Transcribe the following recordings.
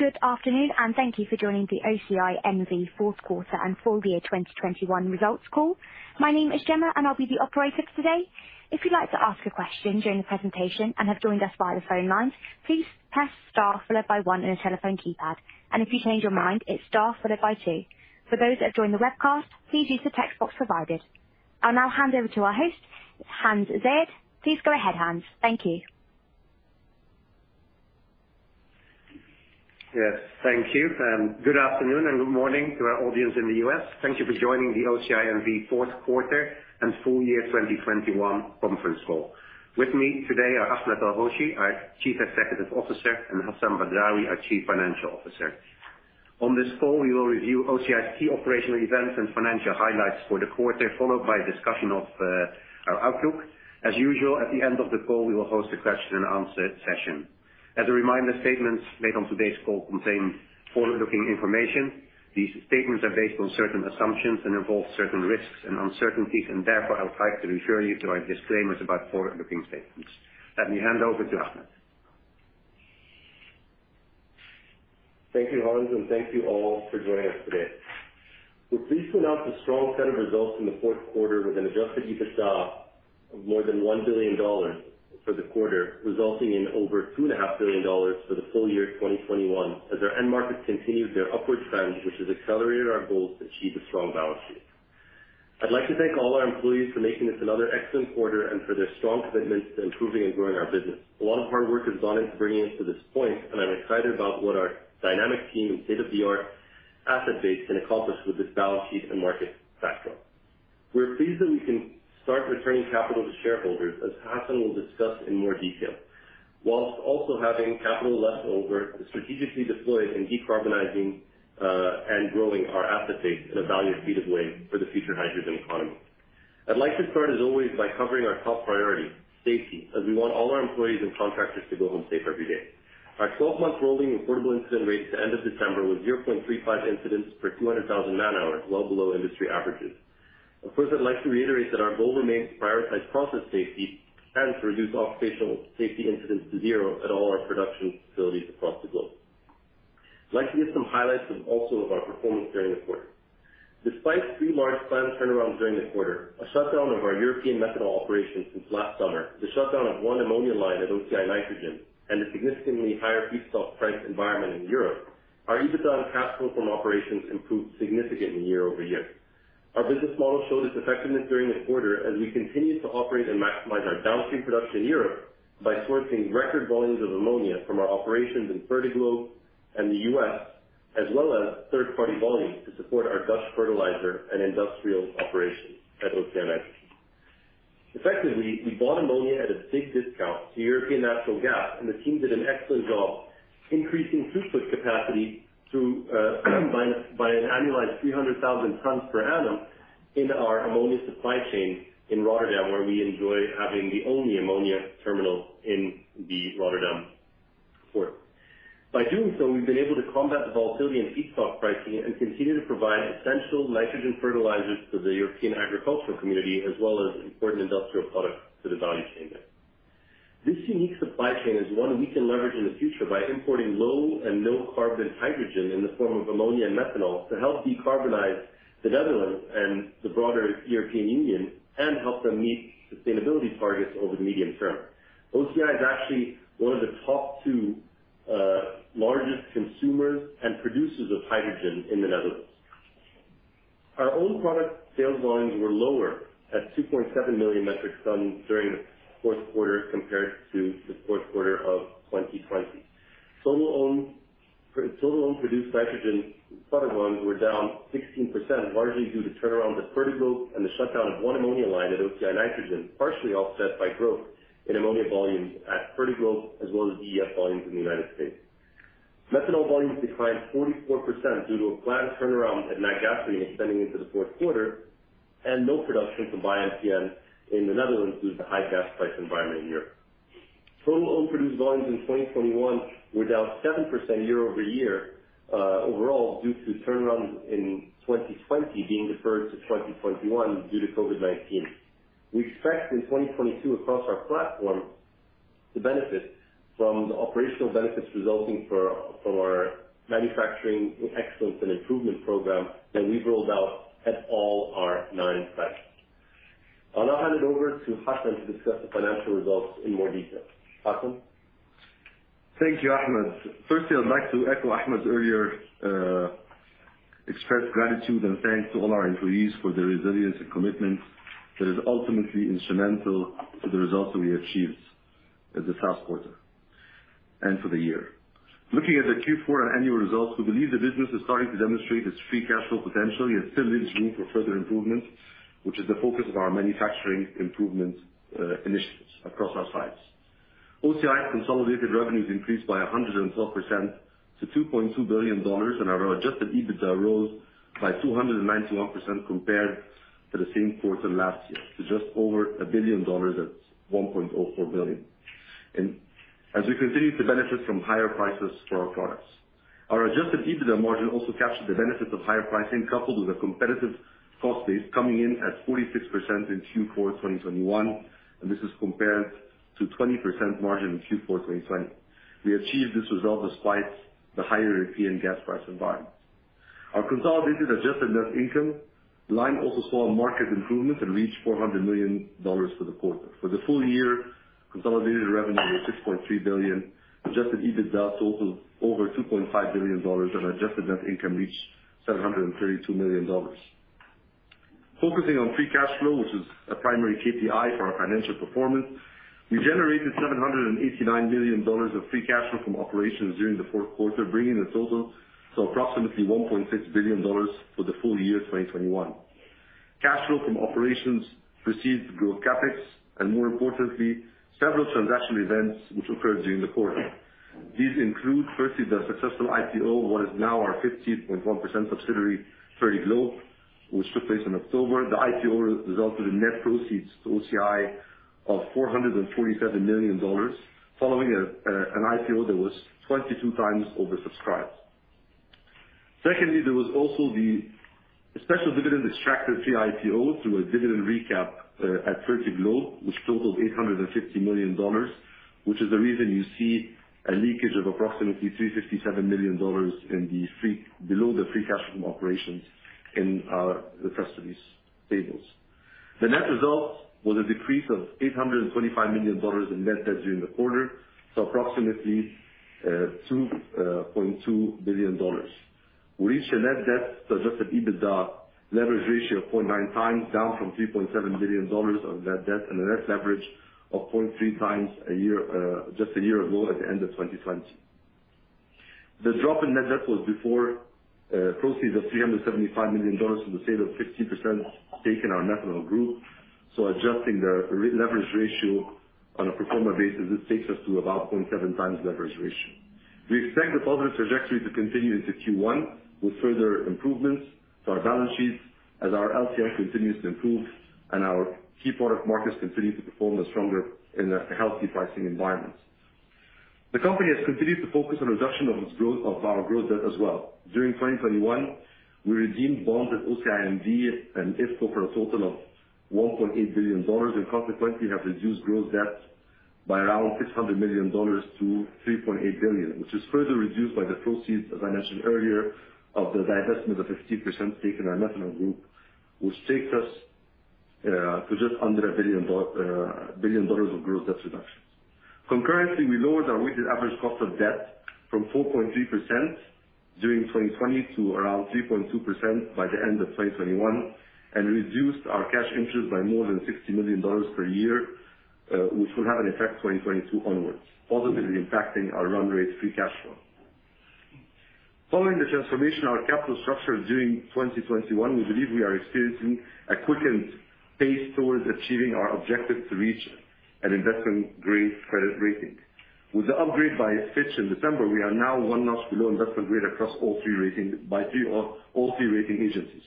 Good afternoon, and thank you for joining the OCI N.V. Q4 and Full Year 2021 Results Call. My name is Gemma and I'll be the operator today. If you'd like to ask a question during the presentation and have joined us via the phone lines, please press star followed by one on your telephone keypad. If you change your mind, it's star followed by two. For those that have joined the webcast, please use the text box provided. I'll now hand over to our host, Hans Zayed. Please go ahead, Hans. Thank you. Yes, thank you. Good afternoon and good morning to our audience in the U.S. Thank you for joining the OCI N.V. Q4 and Full Year 2021 Conference Call. With me today are Ahmed El-Hoshy, our Chief Executive Officer, and Hassan Badrawi, our Chief Financial Officer. On this call, we will review OCI's key operational events and financial highlights for the quarter, followed by a discussion of our outlook. As usual, at the end of the call, we will host a question and answer session. As a reminder, statements made on today's call contain forward-looking information. These statements are based on certain assumptions and involve certain risks and uncertainties, and therefore I'd like to refer you to our disclaimers about forward-looking statements. Let me hand over to Ahmed. Thank you, Hans, and thank you all for joining us today. We're pleased to announce a strong set of results in the Q4 with an adjusted EBITDA of more than $1 billion for the quarter, resulting in over $2.5 billion for the full year 2021 as our end markets continued their upward trend, which has accelerated our goals to achieve a strong balance sheet. I'd like to thank all our employees for making this another excellent quarter and for their strong commitment to improving and growing our business. A lot of hard work has gone into bringing us to this point, and I'm excited about what our dynamic team and state-of-the-art asset base can accomplish with this balance sheet and market backdrop. We're pleased that we can start returning capital to shareholders, as Hassan will discuss in more detail. While also having capital left over to strategically deploy in decarbonizing and growing our asset base in a value-added way for the future hydrogen economy. I'd like to start, as always, by covering our top priority, safety, as we want all our employees and contractors to go home safe every day. Our twelve-month rolling recordable incident rate at the end of December was 0.35 incidents per 200,000 man-hours, well below industry averages. Of course, I'd like to reiterate that our goal remains to prioritize process safety and to reduce occupational safety incidents to zero at all our production facilities across the globe. I'd like to give some highlights of our performance during the quarter. Despite three large plant turnarounds during the quarter, a shutdown of our European methanol operation since last summer, the shutdown of one ammonia line at OCI Nitrogen, and a significantly higher feedstock price environment in Europe, our EBITDA and cash flow from operations improved significantly year-over-year. Our business model showed its effectiveness during the quarter as we continued to operate and maximize our downstream production in Europe by sourcing record volumes of ammonia from our operations in Fertiglobe and the U.S., as well as third-party volumes to support our Dutch fertilizer and industrial operations at OCI Nitrogen. Effectively, we bought ammonia at a big discount to European natural gas, and the team did an excellent job increasing throughput capacity by an annualized 300,000 tons per annum in our ammonia supply chain in Rotterdam, where we enjoy having the only ammonia terminal in the Rotterdam port. By doing so, we've been able to combat the volatility in feedstock pricing and continue to provide essential nitrogen fertilizers to the European agricultural community, as well as important industrial products to the value chain there. This unique supply chain is one we can leverage in the future by importing low and no carbon hydrogen in the form of ammonia and methanol to help decarbonize the Netherlands and the broader European Union and help them meet sustainability targets over the medium term. OCI is actually one of the top two largest consumers and producers of hydrogen in the Netherlands. Our own product sales volumes were lower at 2.7 million metric tons during the Q4 compared to the Q4 of 2020. Solo owned produced nitrogen product volumes were down 16%, largely due to turnarounds at Fertiglobe and the shutdown of one ammonia line at OCI Nitrogen, partially offset by growth in ammonia volumes at Fertiglobe as well as DEF volumes in the United States. Methanol volumes declined 44% due to a plant turnaround at Natgasoline extending into the Q4 and no production from BioMCN in the Netherlands due to the high gas price environment in Europe. Solo owned produced volumes in 2021 were down 7% year-over-year overall due to turnarounds in 2020 being deferred to 2021 due to COVID-19. We expect in 2022 across our platforms to benefit from the operational benefits resulting from our manufacturing excellence and improvement program that we've rolled out at all our nine plants. I'll now hand it over to Hassan to discuss the financial results in more detail. Hassan? Thank you, Ahmed. Firstly, I'd like to echo Ahmed's earlier expressed gratitude and thanks to all our employees for their resilience and commitment that is ultimately instrumental to the results that we achieved at the Q1 and for the year. Looking at the Q4 and annual results, we believe the business is starting to demonstrate its free cash flow potential, yet still leaves room for further improvement, which is the focus of our manufacturing improvement initiatives across our sites. OCI's consolidated revenues increased by 112% to $2.2 billion, and our adjusted EBITDA rose by 291% compared to the same quarter last year to just over a billion dollars at $1.04 billion. As we continue to benefit from higher prices for our products. Our adjusted EBITDA margin also captured the benefits of higher pricing coupled with a competitive cost base coming in at 46% in Q4 2021, and this is compared to 20% margin in Q4 2020. We achieved this result despite the higher European gas price environment. Our consolidated adjusted net income line also saw a market improvement and reached $400 million for the quarter. For the full year, consolidated revenue was $6.3 billion, adjusted EBITDA totaled over $2.5 billion, and adjusted net income reached $732 million. Focusing on free cash flow, which is a primary KPI for our financial performance, we generated $789 million of free cash flow from operations during the Q4, bringing the total to approximately $1.6 billion for the full year 2021. Cash flow from operations proceeded to cover CapEx, and more importantly, several transactional events which occurred during the quarter. These include, firstly, the successful IPO of what is now our 15.1% subsidiary, Fertiglobe, which took place in October. The IPO resulted in net proceeds to OCI of $447 million following an IPO that was 22x oversubscribed. Secondly, there was also the special dividend that extracted pre-IPO through a dividend recap at Fertiglobe, which totaled $850 million, which is the reason you see a leakage of approximately $357 million below the free cash from operations in the treasury tables. The net result was a decrease of $825 million in net debt during the quarter, so approximately $2.2 billion. We reached a net debt to adjusted EBITDA leverage ratio of 0.9x, down from $3.7 billion on net debt and a net leverage of 0.3x a year, just a year ago at the end of 2020. The drop in net debt was before proceeds of $375 million from the sale of 50% stake in our methanol group. Adjusting the net leverage ratio on a pro forma basis, this takes us to about 0.7x leverage ratio. We expect the positive trajectory to continue into Q1 with further improvements to our balance sheet as our LCR continues to improve and our key product markets continue to perform stronger in a healthy pricing environment. The company has continued to focus on reduction of our growth debt as well. During 2021, we redeemed bonds at OCI and IFCO for a total of $1.8 billion, and consequently have reduced gross debt by around $600 million to $3.8 billion, which is further reduced by the proceeds, as I mentioned earlier, of the divestment of the 50% stake in our methanol group, which takes us to just under $1 billion of gross debt reduction. Concurrently, we lowered our weighted average cost of debt from 4.3% during 2020 to around 3.2% by the end of 2021, and reduced our cash interest by more than $60 million per year, which will have an effect 2022 onwards, positively impacting our run rate free cash flow. Following the transformation of our capital structure during 2021, we believe we are experiencing a quickened pace towards achieving our objective to reach an investment-grade credit rating. With the upgrade by Fitch in December, we are now one notch below investment grade across all three rating agencies.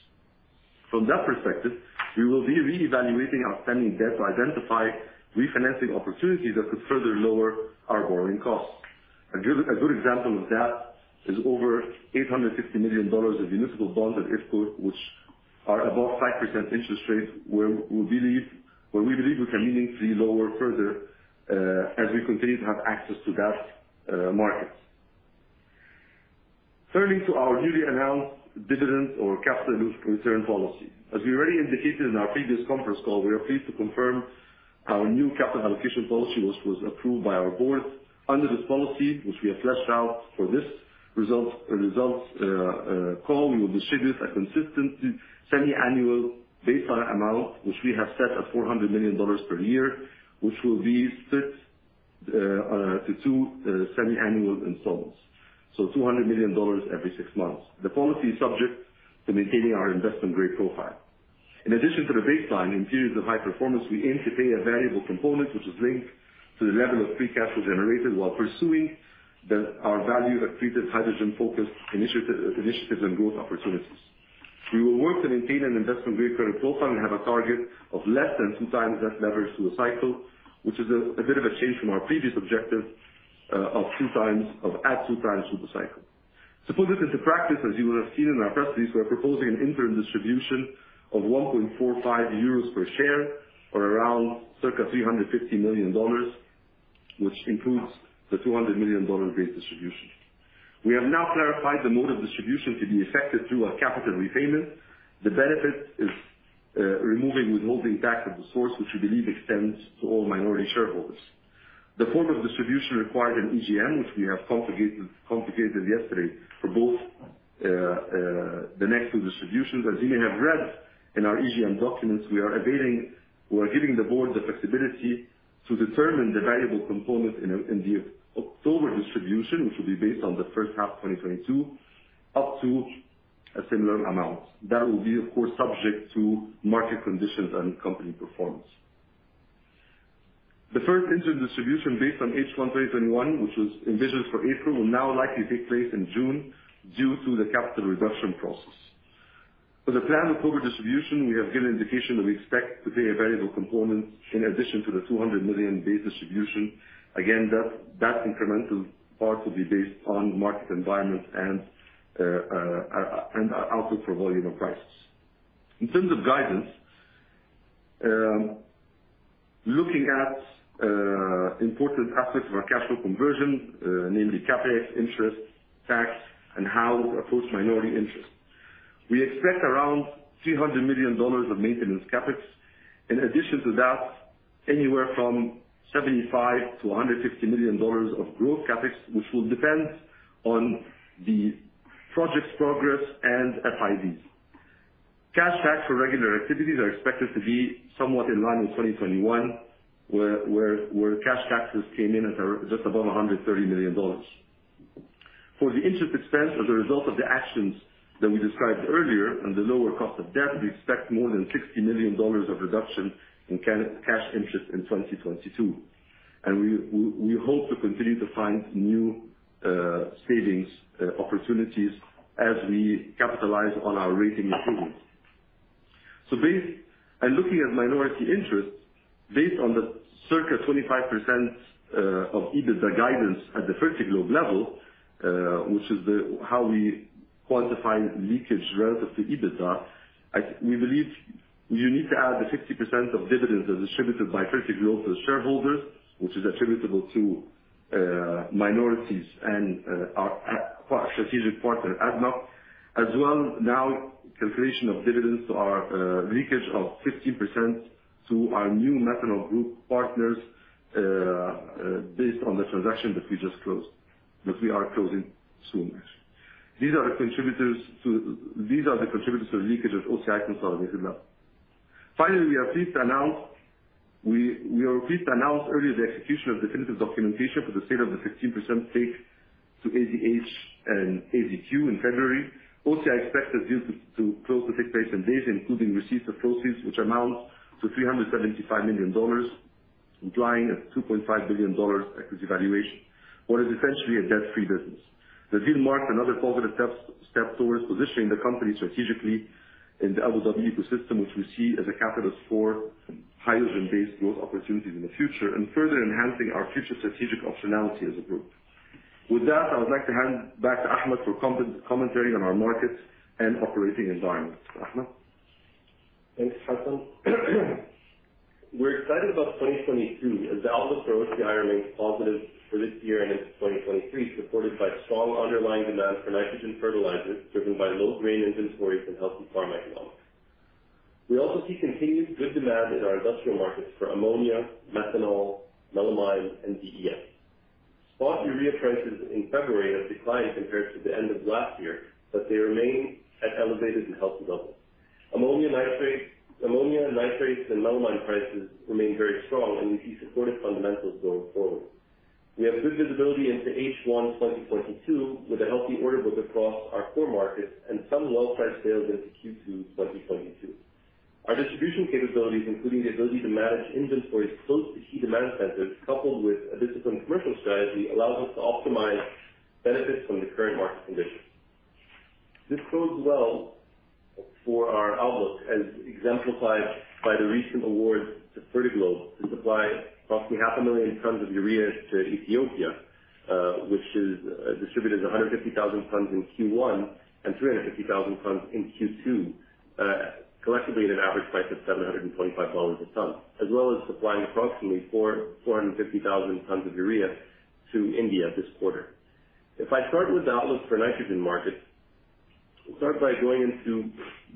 From that perspective, we will be reevaluating our standing debt to identify refinancing opportunities that could further lower our borrowing costs. A good example of that is over $860 million of municipal bonds at IFCO, which are above 5% interest rates, where we believe we can meaningfully lower further as we continue to have access to that market. Turning to our newly announced dividend or capital return policy. As we already indicated in our previous conference call, we are pleased to confirm our new capital allocation policy, which was approved by our board. Under this policy, which we have fleshed out for this results call, we will distribute a consistent semi-annual baseline amount, which we have set at $400 million per year, which will be split to two semi-annual installments, so $200 million every six months. The policy is subject to maintaining our investment-grade profile. In addition to the baseline, in periods of high performance, we aim to pay a variable component which is linked to the level of free cash flow generated while pursuing our value-treated hydrogen-focused initiatives and growth opportunities. We will work to maintain an investment grade credit profile and have a target of less than 2x net leverage through the cycle, which is a bit of a change from our previous objective of 2x through the cycle. To put this into practice, as you will have seen in our press release, we are proposing an interim distribution of 1.45 euros per share, or around circa $350 million, which includes the $200 million base distribution. We have now clarified the mode of distribution to be effected through a capital repayment. The benefit is removing withholding tax at the source, which we believe extends to all minority shareholders. The form of distribution required an EGM, which we have convened yesterday for both the next two distributions. As you may have read in our EGM documents, we are giving the board the flexibility to determine the variable component in the October distribution, which will be based on the H1 2022, up to a similar amount. That will be, of course, subject to market conditions and company performance. The first interim distribution based on H1 2021, which was envisioned for April, will now likely take place in June due to the capital reduction process. For the planned October distribution, we have given indication that we expect to pay a variable component in addition to the $200 million base distribution. Again, that incremental part will be based on market environment and output for volume and prices. In terms of guidance, looking at important aspects of our capital allocation, namely CapEx, interest, tax, and how we approach minority interest. We expect around $300 million of maintenance CapEx. In addition to that, anywhere from $75 million-$150 million of growth CapEx, which will depend on the project's progress and FIDs. Cash tax for regular activities are expected to be somewhat in line with 2021, where cash taxes came in at just above $130 million. For the interest expense as a result of the actions that we described earlier and the lower cost of debt, we expect more than $60 million of reduction in cash interest in 2022. We hope to continue to find new savings opportunities as we capitalize on our rating improvements. In looking at minority interest, based on the circa 25% of EBITDA guidance at the Fertiglobe level, which is how we quantify leakage relative to EBITDA, we believe you need to add the 60% of dividends that are distributed by Fertiglobe to the shareholders, which is attributable to minorities and our strategic partner, ADNOC. As well, calculation of dividends to our leakage of 15% to our new methanol group partners, based on the transaction that we just closed. That we are closing soon, actually. These are the contributors to the leakage at OCI consolidated level. Finally, we are pleased to announce earlier the execution of definitive documentation for the sale of the 15% stake to ADH and ADQ in February. OCI expects the deal to close in 60 days, including receipt of proceeds, which amount to $375 million, implying a $2.5 billion equity valuation, what is essentially a debt-free business. The deal marks another positive step towards positioning the company strategically in the Abu Dhabi ecosystem, which we see as a catalyst for hydrogen-based growth opportunities in the future and further enhancing our future strategic optionality as a group. With that, I would like to hand back to Ahmed for commentary on our markets and operating environments. Ahmed. Thanks, Hassan. We're excited about 2022 as the outlook for OCI remains positive for this year and into 2023, supported by strong underlying demand for nitrogen fertilizers, driven by low grain inventories and healthy farm economics. We also see continued good demand in our industrial markets for ammonia, methanol, melamine, and BF. Spot urea prices in February have declined compared to the end of last year, but they remain at elevated and healthy levels. Ammonium nitrate, ammonium nitrates and melamine prices remain very strong, and we see supportive fundamentals going forward. We have good visibility into H1 2022, with a healthy order book across our core markets and some well-priced sales into Q2 2022. Our distribution capabilities, including the ability to manage inventories close to key demand centers, coupled with a disciplined commercial strategy, allows us to optimize benefits from the current market conditions. This bodes well for our outlook, as exemplified by the recent award to Fertiglobe to supply approximately 500,000 tons of urea to Ethiopia, which is distributed 150,000 tons in Q1 and 350,000 tons in Q2, collectively at an average price of $725 a ton. As well as supplying approximately 450,000 tons of urea to India this quarter. If I start with the outlook for nitrogen markets, we'll start by going into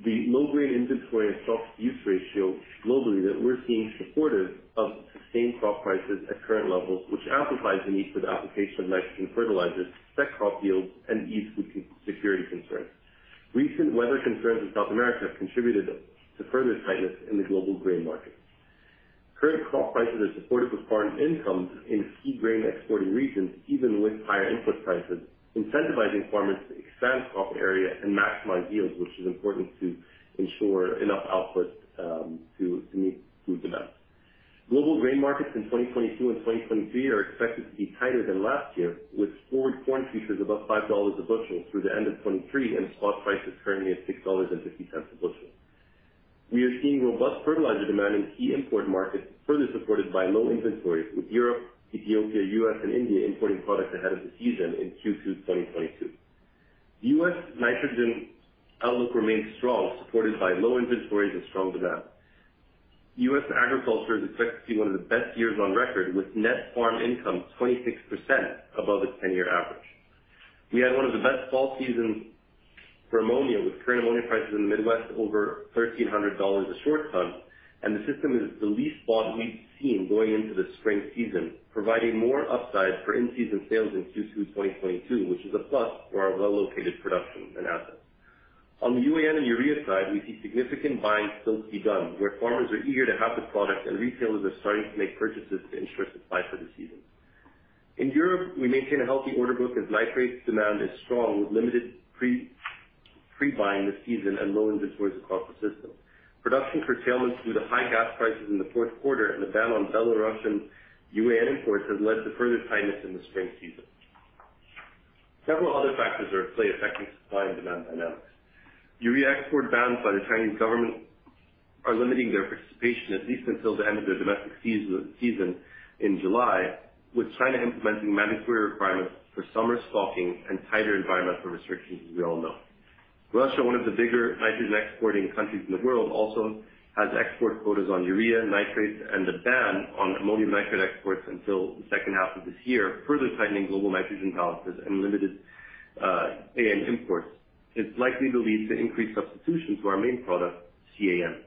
the low grain inventory and stock-to-use ratio globally that we're seeing supportive of sustained crop prices at current levels, which amplifies the need for the application of nitrogen fertilizers, set crop yields, and ease food security concerns. Recent weather concerns in South America have contributed to further tightness in the global grain market. Current crop prices are supported with farm incomes in key grain exporting regions, even with higher input prices, incentivizing farmers to expand crop area and maximize yields, which is important to ensure enough output to meet food demands. Global grain markets in 2022 and 2023 are expected to be tighter than last year, with forward corn futures above $5 a bushel through the end of 2023 and spot prices currently at $6.50 a bushel. We are seeing robust fertilizer demand in key import markets, further supported by low inventories, with Europe, Ethiopia, U.S., and India importing products ahead of the season in Q2 2022. U.S. nitrogen outlook remains strong, supported by low inventories and strong demand. U.S. agriculture is expected to be one of the best years on record, with net farm income 26% above its 10-year average. We had one of the best fall seasons for ammonia, with current ammonia prices in the Midwest over $1,300 a short ton, and the system is the least bought we've seen going into the spring season, providing more upside for in-season sales in Q2 2022, which is a plus for our well-located production and assets. On the UAN and urea side, we see significant buying still to be done, where farmers are eager to have the product and retailers are starting to make purchases to ensure supply for the season. In Europe, we maintain a healthy order book as nitrates demand is strong, with limited pre-buying this season and low inventories across the system. Production curtailments due to high gas prices in the Q4 and the ban on Belarusian UAN imports has led to further tightness in the spring season. Several other factors are at play affecting supply and demand dynamics. Urea export bans by the Chinese government are limiting their participation at least until the end of their domestic season in July, with China implementing mandatory requirements for summer stocking and tighter environmental restrictions, as we all know. Russia, one of the bigger nitrogen exporting countries in the world, also has export quotas on urea, nitrates, and a ban on ammonium nitrate exports until the H2 of this year, further tightening global nitrogen balances and limited AN imports. It's likely to lead to increased substitution to our main product, CAN.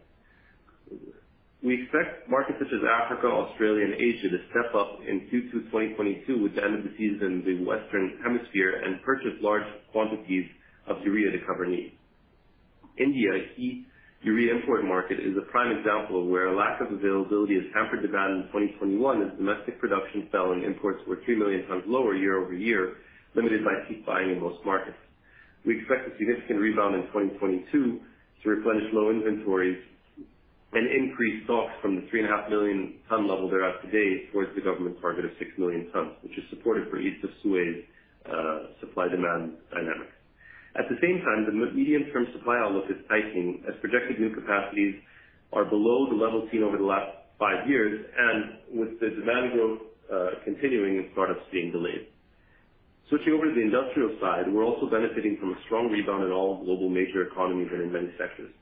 We expect markets such as Africa, Australia and Asia to step up in 2022 with the end of the season in the Western Hemisphere and purchase large quantities of urea to cover needs. India, a key urea import market, is a prime example of where a lack of availability has hampered demand in 2021 as domestic production fell and imports were 3 million tons lower year-over-year, limited by key buying in most markets. We expect a significant rebound in 2022 to replenish low inventories and increase stock from the 3.5 million ton level they're at today towards the government's target of 6 million tons, which is supported for East of Suez supply demand dynamics. At the same time, the medium-term supply outlook is tightening as projected new capacities are below the level seen over the last five years and with the demand growth continuing and startups being delayed. Switching over to the industrial side, we're also benefiting from a strong rebound in all global major economies and in many sectors.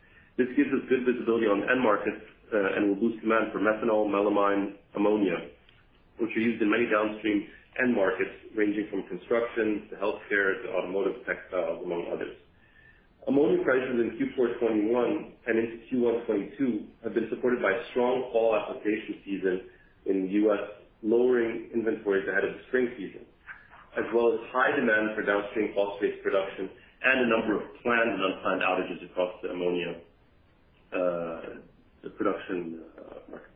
This gives us good visibility on end markets and will boost demand for methanol, melamine, ammonia, which are used in many downstream end markets ranging from construction to healthcare to automotive, textiles, among others. Ammonia prices in Q4 2021 and into Q1 2022 have been supported by strong fall application season in U.S., lowering inventories ahead of the spring season, as well as high demand for downstream phosphate production and a number of planned and unplanned outages across the ammonia production market.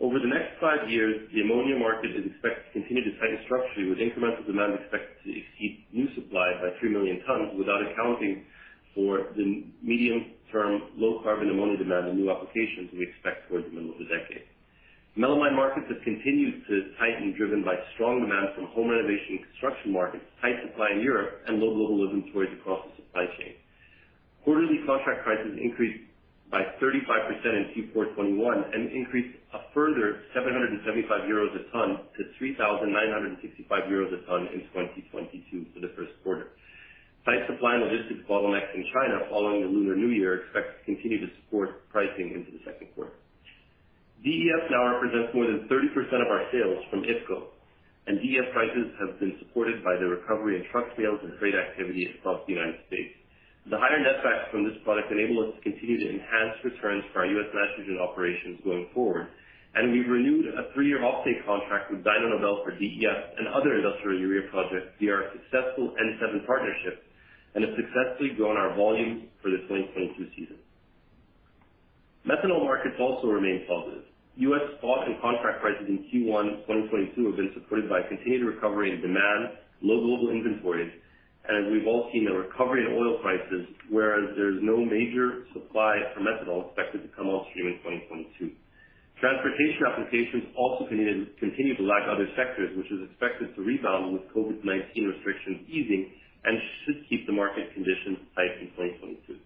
Over the next five years, the ammonia market is expected to continue to tighten structurally, with incremental demand expected to exceed new supply by 3 million tons, without accounting for the medium-term low-carbon ammonia demand and new applications we expect towards the middle of the decade. melamine markets have continued to tighten, driven by strong demand from home renovation and construction markets, tight supply in Europe and low global inventories across the supply chain. Quarterly contract prices increased by 35% in Q4 2021 and increased a further 775 euros a ton to 3,965 euros a ton in 2022 for the Q1. Tight supply and logistics bottlenecks in China following the Lunar New Year are expected to continue to support pricing into the Q2. DEF now represents more than 30% of our sales from IFCO, and DEF prices have been supported by the recovery in truck sales and freight activity across the United States. The higher netbacks from this product enable us to continue to enhance returns for our U.S. nitrogen operations going forward, and we've renewed a 3-year off-take contract with Dyno Nobel for DEF and other industrial urea projects via our successful N-7 partnership, and have successfully grown our volume for the 2022 season. Methanol markets also remain positive. U.S. spot and contract prices in Q1 2022 have been supported by continued recovery in demand, low global inventories, and we've all seen a recovery in oil prices, whereas there's no major supply for methanol expected to come on stream in 2022. Transportation applications also continued to lag other sectors, which is expected to rebound with COVID-19 restrictions easing and should keep the market conditions tight in 2022.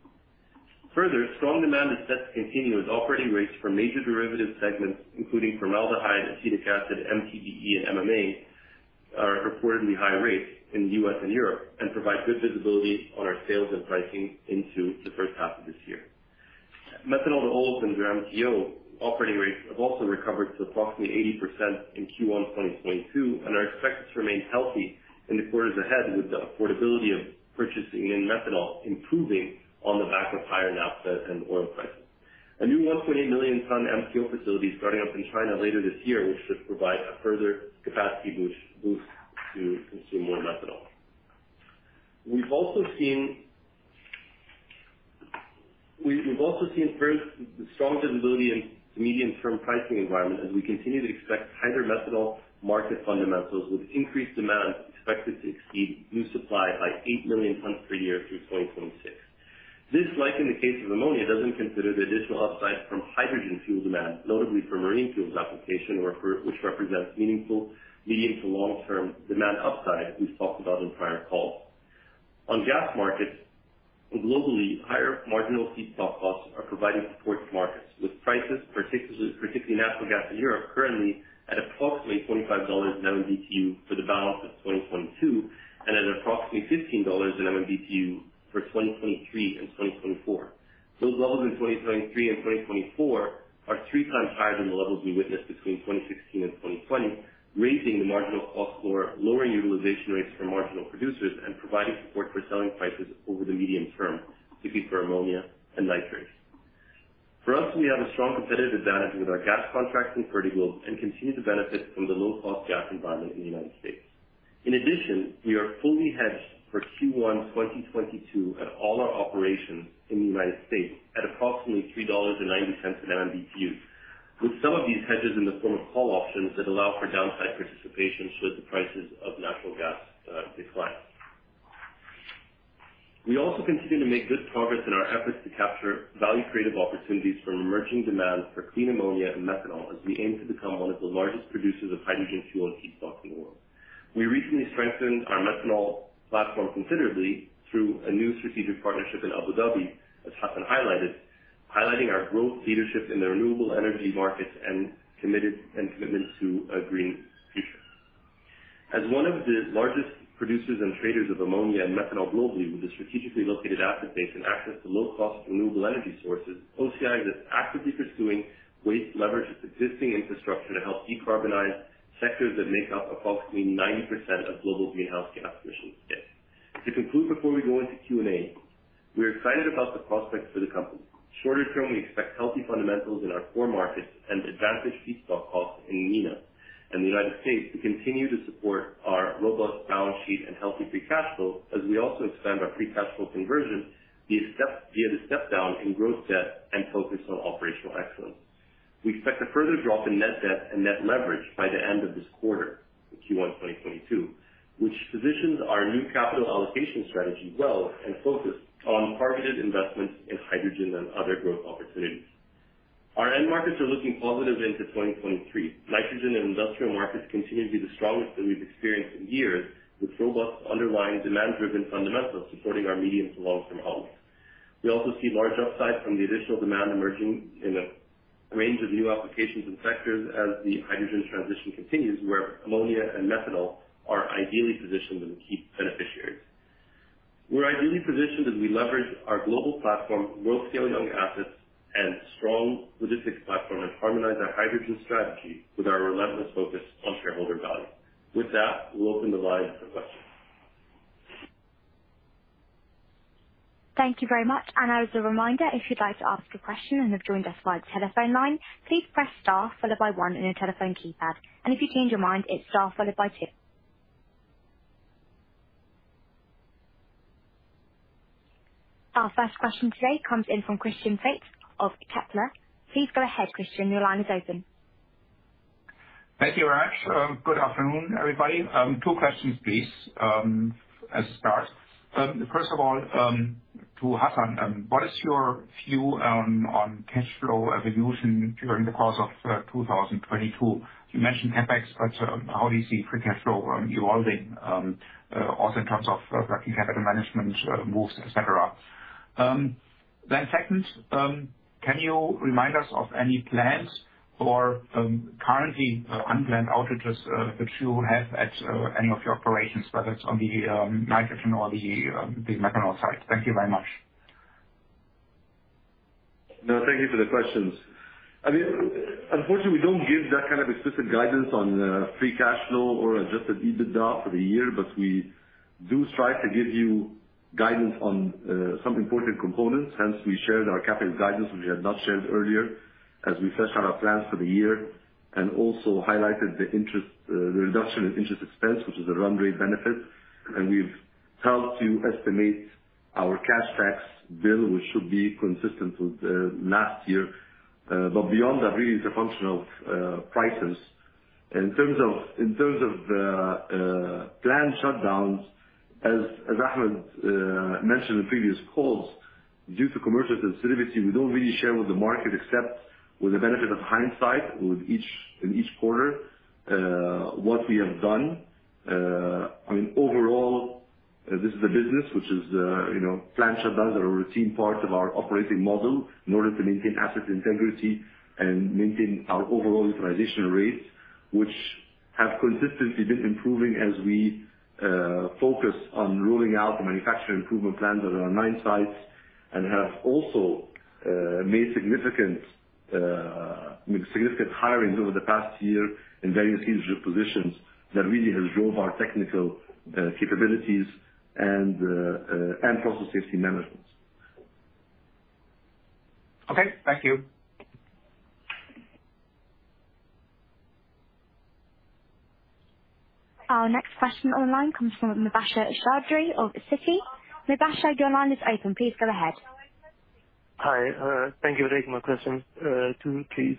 Further, strong demand is set to continue with operating rates for major derivative segments, including formaldehyde, acetic acid, MTBE, and MMA, are at reportedly high rates in the U.S. and Europe, and provide good visibility on our sales and pricing into the H1 of this year. Methanol to olefins, or MTO, operating rates have also recovered to approximately 80% in Q1 2022 and are expected to remain healthy in the quarters ahead with the affordability of purchasing in methanol improving on the back of higher naphtha and oil prices. A new 1.8 million ton MTO facility is starting up in China later this year, which should provide a further capacity boost to consume more methanol. We've also seen. We've also seen very strong visibility in the medium-term pricing environment as we continue to expect tighter methanol market fundamentals, with increased demand expected to exceed new supply by 8 million tons per year through 2026. This, like in the case of ammonia, doesn't consider the additional upside from hydrogen fuel demand, notably for marine fuels application which represents meaningful medium to long-term demand upside as we've talked about in prior calls. On gas markets, globally, higher marginal feedstock costs are providing support to markets with prices, particularly natural gas in Europe currently at approximately $25/MMBtu for the balance of 2022 and at approximately $15/MMBtu for 2023 and 2024. Those levels in 2023 and 2024 are 3x higher than the levels we witnessed between 2016 and 2020, raising the marginal cost for lower utilization rates for marginal producers and providing support for selling prices over the medium term, typically for ammonia and nitrates. For us, we have a strong competitive advantage with our gas contracts in Fertiglobe and continue to benefit from the low-cost gas environment in the United States. In addition, we are fully hedged for Q1 2022 at all our operations in the United States at approximately $3.90 an MMBtu, with some of these hedges in the form of call options that allow for downside participation should the prices of natural gas decline. We also continue to make good progress in our efforts to capture value-creating opportunities from emerging demand for clean ammonia and methanol as we aim to become one of the largest producers of hydrogen fuel and feedstock in the world. We recently strengthened our methanol platform considerably through a new strategic partnership in Abu Dhabi, as Hassan highlighted, highlighting our growth leadership in the renewable energy markets and commitment to a green future. As one of the largest producers and traders of ammonia and methanol globally, with a strategically located asset base and access to low-cost renewable energy sources, OCI is actively pursuing ways to leverage its existing infrastructure to help decarbonize sectors that make up approximately 90% of global greenhouse gas emissions today. To conclude, before we go into Q&A, we are excited about the prospects for the company. Shorter term, we expect healthy fundamentals in our core markets and advantaged feedstock costs in MENA and the United States to continue to support our robust balance sheet and healthy free cash flow as we also expand our free cash flow conversion via the step-down in growth debt and focus on operational excellence. We expect a further drop in net debt and net leverage by the end of this quarter, in Q1 2022, which positions our new capital allocation strategy well and focused on targeted investments in hydrogen and other growth opportunities. Our end markets are looking positive into 2023. Nitrogen and industrial markets continue to be the strongest that we've experienced in years, with robust underlying demand-driven fundamentals supporting our medium- to long-term outlook. We also see large upside from the additional demand emerging in a range of new applications and sectors as the hydrogen transition continues, where ammonia and methanol are ideally positioned and the key beneficiaries. We're ideally positioned as we leverage our global platform, world-scale young assets and strong logistics platform, and harmonize our hydrogen strategy with our relentless focus on shareholder value. With that, we'll open the line for questions. Thank you very much. As a reminder, if you'd like to ask a question and have joined us via telephone line, please press star followed by one on your telephone keypad. If you change your mind, it's star followed by two. Our first question today comes in from Christian Faitz of Kepler Cheuvreux. Please go ahead, Christian. Your line is open. Thank you very much. Good afternoon, everybody. Two questions, please, as a start. First of all, to Hassan, what is your view on cash flow evolution during the course of 2022? You mentioned CapEx, but how do you see free cash flow evolving also in terms of working capital management moves, et cetera. Second, can you remind us of any plans for currently unplanned outages that you have at any of your operations, whether it's on the nitrogen or the methanol side? Thank you very much. No, thank you for the questions. I mean, unfortunately, we don't give that kind of explicit guidance on free cash flow or adjusted EBITDA for the year, but we do try to give you guidance on some important components. Hence, we shared our capital guidance, which we had not shared earlier as we flesh out our plans for the year, and also highlighted the interest, the reduction in interest expense, which is a run rate benefit. We've helped you estimate our cash tax bill, which should be consistent with last year. Beyond that, really it's a function of prices. In terms of planned shutdowns, as Ahmed mentioned in previous calls, due to commercial sensitivity, we don't really share with the market, except with the benefit of hindsight, in each quarter what we have done. I mean, overall, this is a business which is, you know, planned shutdowns are a routine part of our operating model in order to maintain asset integrity and maintain our overall utilization rates, which have consistently been improving as we focus on rolling out the manufacturing improvement plans at our nine sites, and have also made significant hirings over the past year in various positions that really has drove our technical and process safety management. Okay. Thank you. Our next question on the line comes from Nabhan Sardhahi of Citi. Nabhan, your line is open. Please go ahead. Hi. Thank you for taking my question. Two please.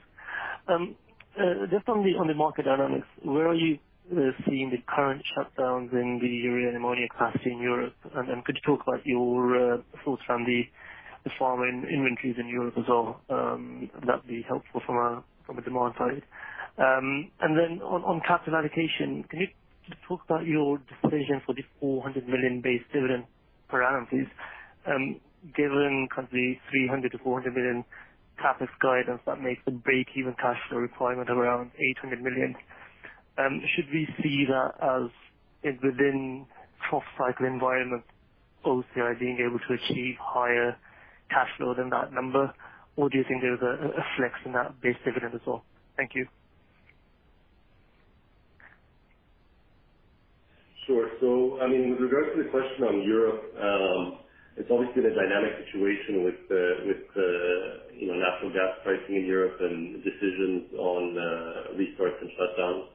Just on the market dynamics, where are you seeing the current shutdowns in the urea and ammonia capacity in Europe? Could you talk about your thoughts on the fall in inventories in Europe as well? That'd be helpful from a demand side. Then on capital allocation, can you just talk about your decision for the $400 million base dividend per annum, please? Given kind of the $300-$400 million CapEx guidance, that makes a break-even cash flow requirement around $800 million. Should we see that as if within trough cycle environment, OCI being able to achieve higher cash flow than that number, or do you think there's a flex in that base dividend as well? Thank you. Sure. I mean, with regards to the question on Europe, it's obviously been a dynamic situation with you know, natural gas pricing in Europe and decisions on restarts and shutdowns.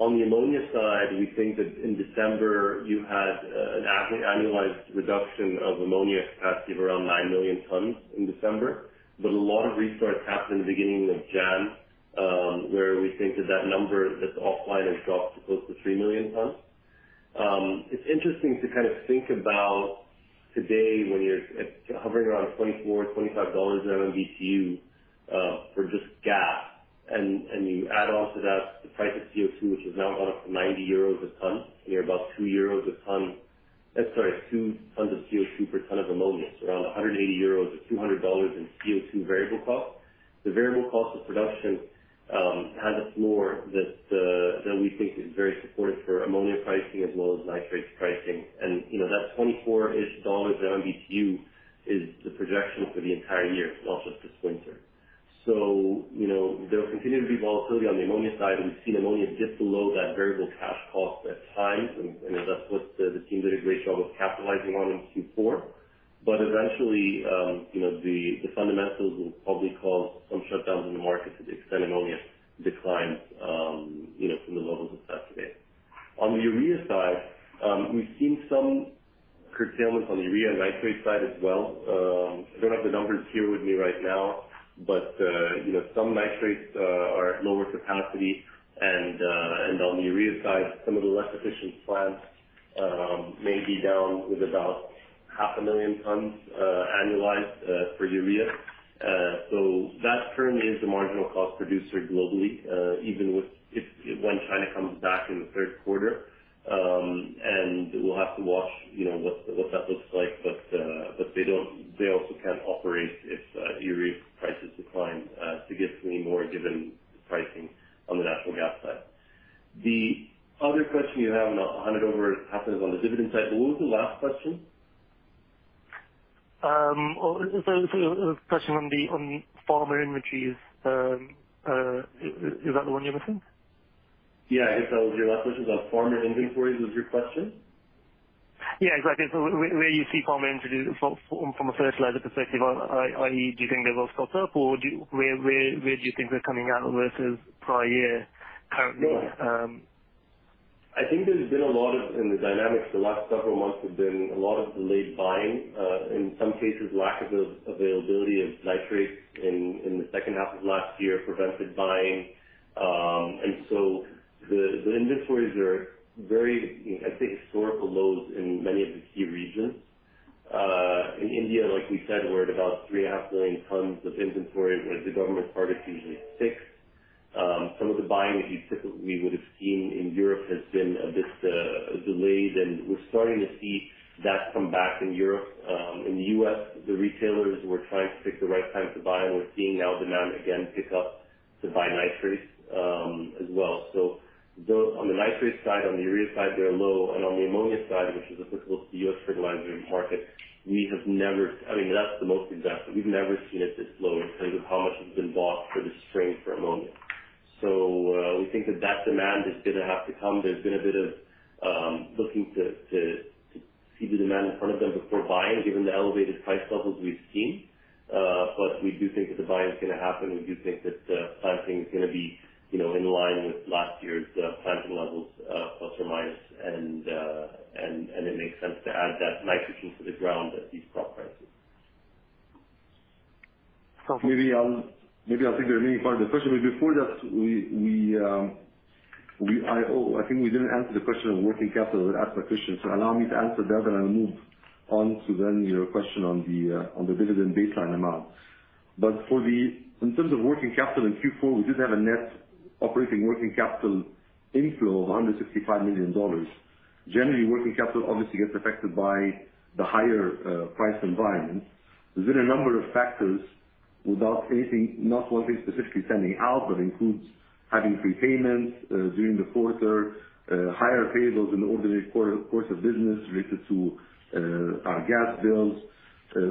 On the ammonia side, we think that in December you had an annualized reduction of ammonia capacity of around 9 million tons in December. A lot of restarts happened in the beginning of January, where we think that number that's offline has dropped to close to 3 million tons. It's interesting to kind of think about today when you're hovering around $24-$25 an MMBtu for just gas. You add on to that the price of CO2, which is now gone up to 90 euros a ton, and you're about 2 euros a ton-I'm sorry, two tons of CO2 per ton of ammonia. Around 180 euros or $200 in CO2 variable cost. The variable cost of production has us more than we think is very supportive for ammonia pricing as well as nitrates pricing. You know, that 24-ish dollars on BTU is the projection for the entire year, not just this winter. You know, there will continue to be volatility on the ammonia side, and we've seen ammonia dip below that variable cash cost at times. That's what the team did a great job of capitalizing on in Q4. You know, the fundamentals will probably cause some shutdowns in the market to extend ammonia declines, you know, from the levels it's at today. On the urea side, we've seen some curtailment on the urea nitrate side as well. I don't have the numbers here with me right now, but you know, some nitrates are at lower capacity. On the urea side, some of the less efficient plants may be down with about half a million tons, annualized, for urea. That currently is the marginal cost producer globally, even with if when China comes back in the Q3. We'll have to watch, you know, what that looks like. They also can't operate if urea prices decline significantly more given the pricing on the natural gas side. The other question you have, and I'll hand it over, Hassan, is on the dividend side. What was the last question? It was a question on the farmer inventories. Is that the one you're missing? Yeah. If that was your last question about farmer inventories. Yeah, exactly. Where you see farmer inventories from a fertilizer perspective, i.e., do you think they're well stocked up or where do you think they're coming out versus prior year currently? I think the dynamics in the last several months have seen a lot of delayed buying, in some cases, lack of availability of nitrates in the H2 of last year prevented buying. The inventories are at historical lows in many of the key regions, I think. In India, like we said, we're at about 3.5 million tons of inventory, where the government target is usually 6. Some of the buying that you typically would have seen in Europe has been a bit delayed, and we're starting to see that come back in Europe. In the U.S., the retailers were trying to pick the right time to buy, and we're seeing now demand again pick up to buy nitrates, as well. On the nitrate side, on the urea side, they're low. On the ammonia side, which is applicable to the U.S. fertilizer market, we have never I mean, that's the most investment. We've never seen it this low in terms of how much has been bought for the spring for ammonia. We think that demand is gonna have to come. There's been a bit of looking to see the demand in front of them before buying, given the elevated price levels we've seen. But we do think that the buy-in is gonna happen. We do think that planting is gonna be, you know, in line with last year's planting levels, plus or minus. It makes sense to add that nitrogen to the ground at these crop prices. Maybe I'll take the remaining part of the question. Before that, I think we didn't answer the question on working capital that was asked by Christian. Allow me to answer that, and I'll move on to then your question on the dividend baseline amount. In terms of working capital in Q4, we did have a net operating working capital inflow of $165 million. Generally, working capital obviously gets affected by the higher price environment. There's been a number of factors without anything not one thing specifically standing out, but includes having prepayments during the quarter, higher payables in the ordinary course of business related to our gas bills,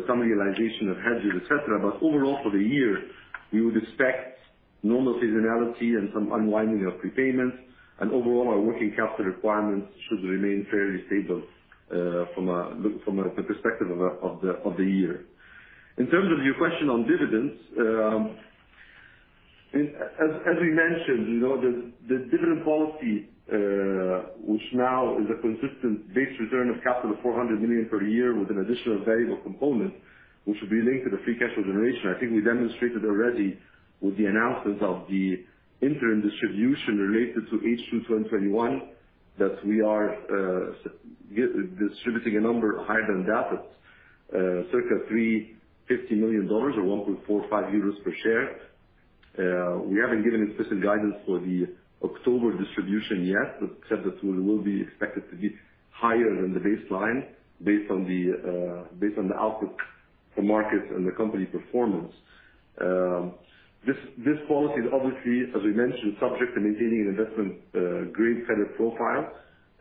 some realization of hedges, et cetera. Overall, for the year, we would expect normal seasonality and some unwinding of prepayments. Overall, our working capital requirements should remain fairly stable, from a perspective of the year. In terms of your question on dividends, as we mentioned, you know, the dividend policy, which now is a consistent base return of capital of $400 million per year with an additional variable component, which will be linked to the free cash flow generation. I think we demonstrated already with the announcement of the interim distribution related to H2 2021, that we are distributing a number higher than that at circa $350 million or 1.45 euros per share. We haven't given explicit guidance for the October distribution yet, except that we will be expected to be higher than the baseline based on the outlook for markets and the company performance. This policy is obviously, as we mentioned, subject to maintaining an investment grade credit profile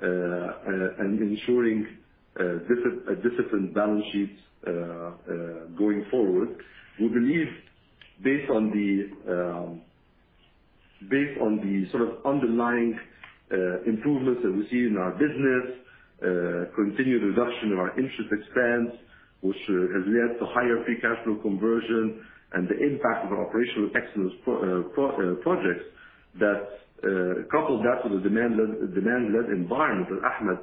and ensuring discipline balance sheets going forward. We believe based on the sort of underlying improvements that we see in our business, continued reduction of our interest expense, which has led to higher free cash flow conversion and the impact of our operational excellence projects, that couple that with the demand-led environment that Ahmed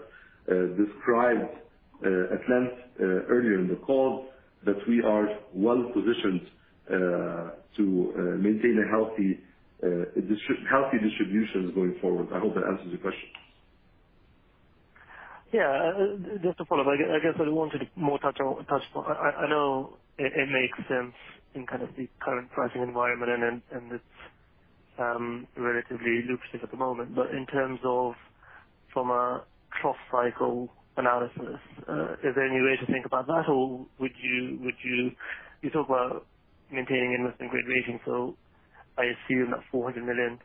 described at length earlier in the call, that we are well positioned to maintain healthy distributions going forward. I hope that answers your question. Yeah, just to follow up, I guess I wanted more touch on. I know it makes sense in kind of the current pricing environment, and it's relatively lucrative at the moment. In terms of from a cross cycle analysis, is there any way to think about that? Would you talk about maintaining investment grade rating, so I assume that $400 million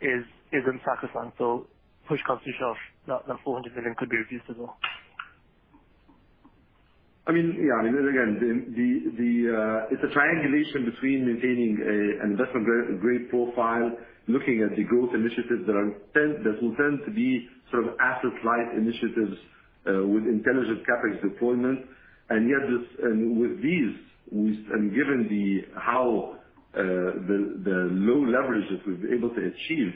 is a sacrifice, so push comes to shove that $400 million could be reduced as well. I mean, yeah. I mean, again, it's a triangulation between maintaining an investment grade profile, looking at the growth initiatives that will tend to be sort of asset-light initiatives, with intelligent CapEx deployment. Given the low leverage that we've been able to achieve,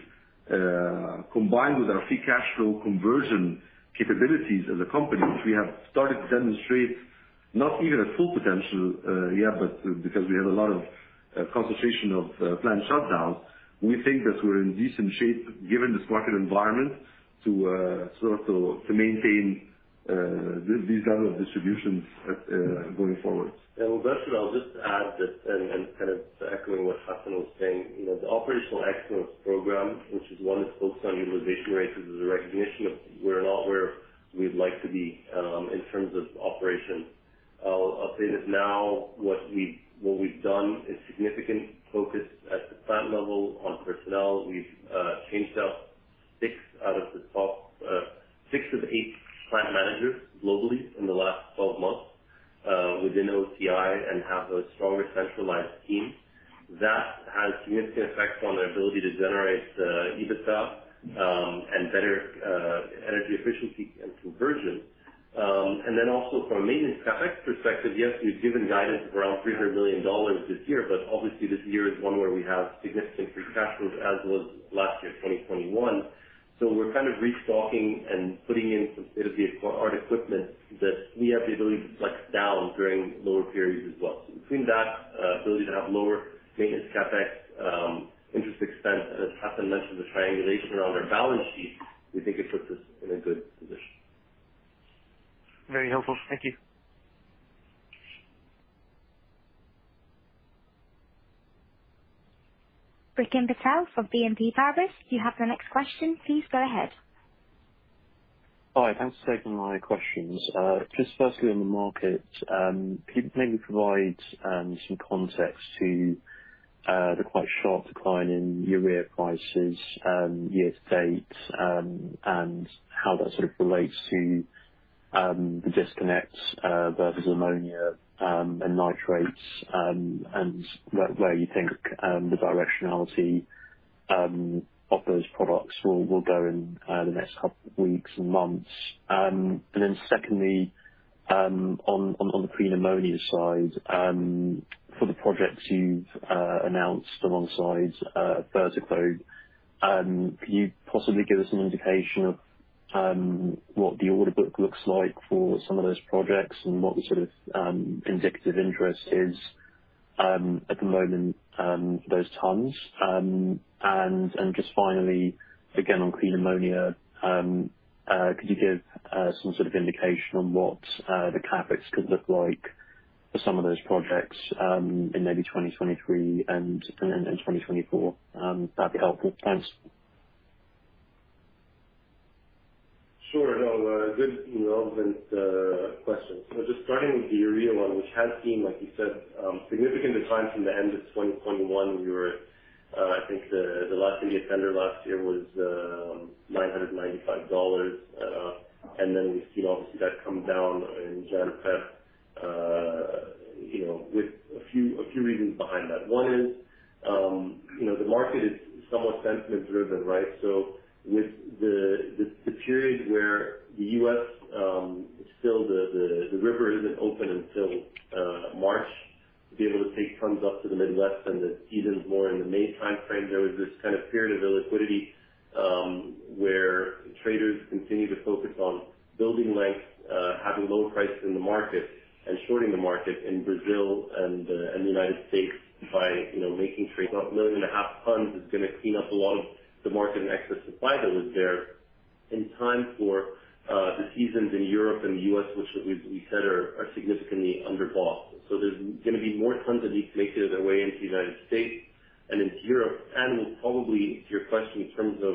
combined with our free cash flow conversion capabilities as a company, we have started to demonstrate not even at full potential, yet, but because we have a lot of concentration of plant shutdowns, we think that we're in decent shape given this market environment to sort of maintain these kinds of distributions going forward. Yeah, well, Nabhan, I'll just add that, and kind of echoing what Hassan was saying, you know, the operational excellence program, which is one that's focused on utilization rates as a recognition of we're not where we'd like to be in terms of operations. I'll say this now, what we've done is significant focus at the plant level on personnel. We've changed out six out of the top six of eight plant managers globally in the last 12 months within OCI and have a stronger centralized team. That has significant effects on our ability to generate EBITDA and better energy efficiency and conversion. From a maintenance CapEx perspective, yes, we've given guidance of around $300 million this year, but obviously this year is one where we have significant free cash flows, as was last year, 2021. We're kind of restocking and putting in some state-of-the-art equipment that we have the ability to flex down during lower periods as well. Between that ability to have lower maintenance CapEx, interest expense, as Hassan mentioned, the triangulation around our balance sheet, we think it puts us in a good position. Very helpful. Thank you. Rikin Patel from BNP Paribas, you have your next question. Please go ahead. Hi, thanks for taking my questions. Just firstly on the market, can you maybe provide some context to the quite sharp decline in urea prices year to date, and how that sort of relates to the disconnect versus ammonia and nitrates, and where you think the directionality of those products will go in the next couple weeks and months. Secondly, on the clean ammonia side, for the projects you've announced alongside Vertex, can you possibly give us an indication of what the order book looks like for some of those projects and what the sort of indicative interest is at the moment for those tons? Just finally, again, on clean ammonia, could you give some sort of indication on what the CapEx could look like for some of those projects, in maybe 2023 and then in 2024? That'd be helpful. Thanks. Sure. No, good, relevant questions. Just starting with the urea one, which has seen, like you said, significant decline from the end of 2021. I think the last Indian tender last year was $995. And then we've seen obviously that come down in Jan-Feb, you know, with a few reasons behind that. One is, you know, the market is somewhat sentiment driven, right? With the period where the U.S. still the river isn't open until March to be able to take tons up to the Midwest and the seasons more in the May timeframe, there was this kind of period of illiquidity where traders continued to focus on building length, having low prices in the market and shorting the market in Brazil and the United States by, you know, making trades. 1.5 million tons is gonna clean up a lot of the market and excess supply that was there in time for the seasons in Europe and the U.S., which we said are significantly underbought. There's gonna be more tons that need to make their way into the United States and into Europe. Probably to your question in terms of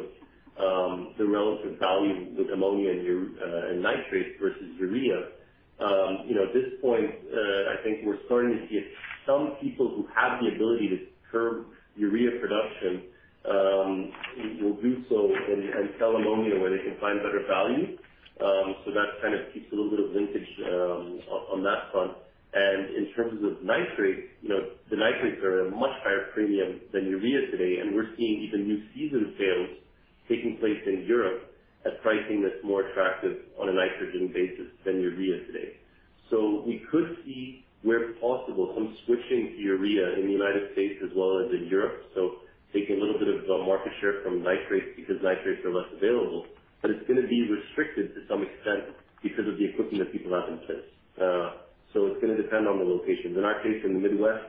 the relative value with ammonia and nitrates versus urea, you know, at this point, I think we're starting to see some people who have the ability to curb urea production will do so and sell ammonia where they can find better value. That kind of keeps a little bit of linkage on that front. In terms of nitrates, you know, the nitrates are at a much higher premium than urea today, and we're seeing even new season sales taking place in Europe at pricing that's more attractive on a nitrogen basis than urea today. We could see where possible some switching to urea in the United States as well as in Europe. Taking a little bit of the market share from nitrates because nitrates are less available, but it's gonna be restricted to some extent because of the equipment that people have in place. It's gonna depend on the locations. In our case, in the Midwest,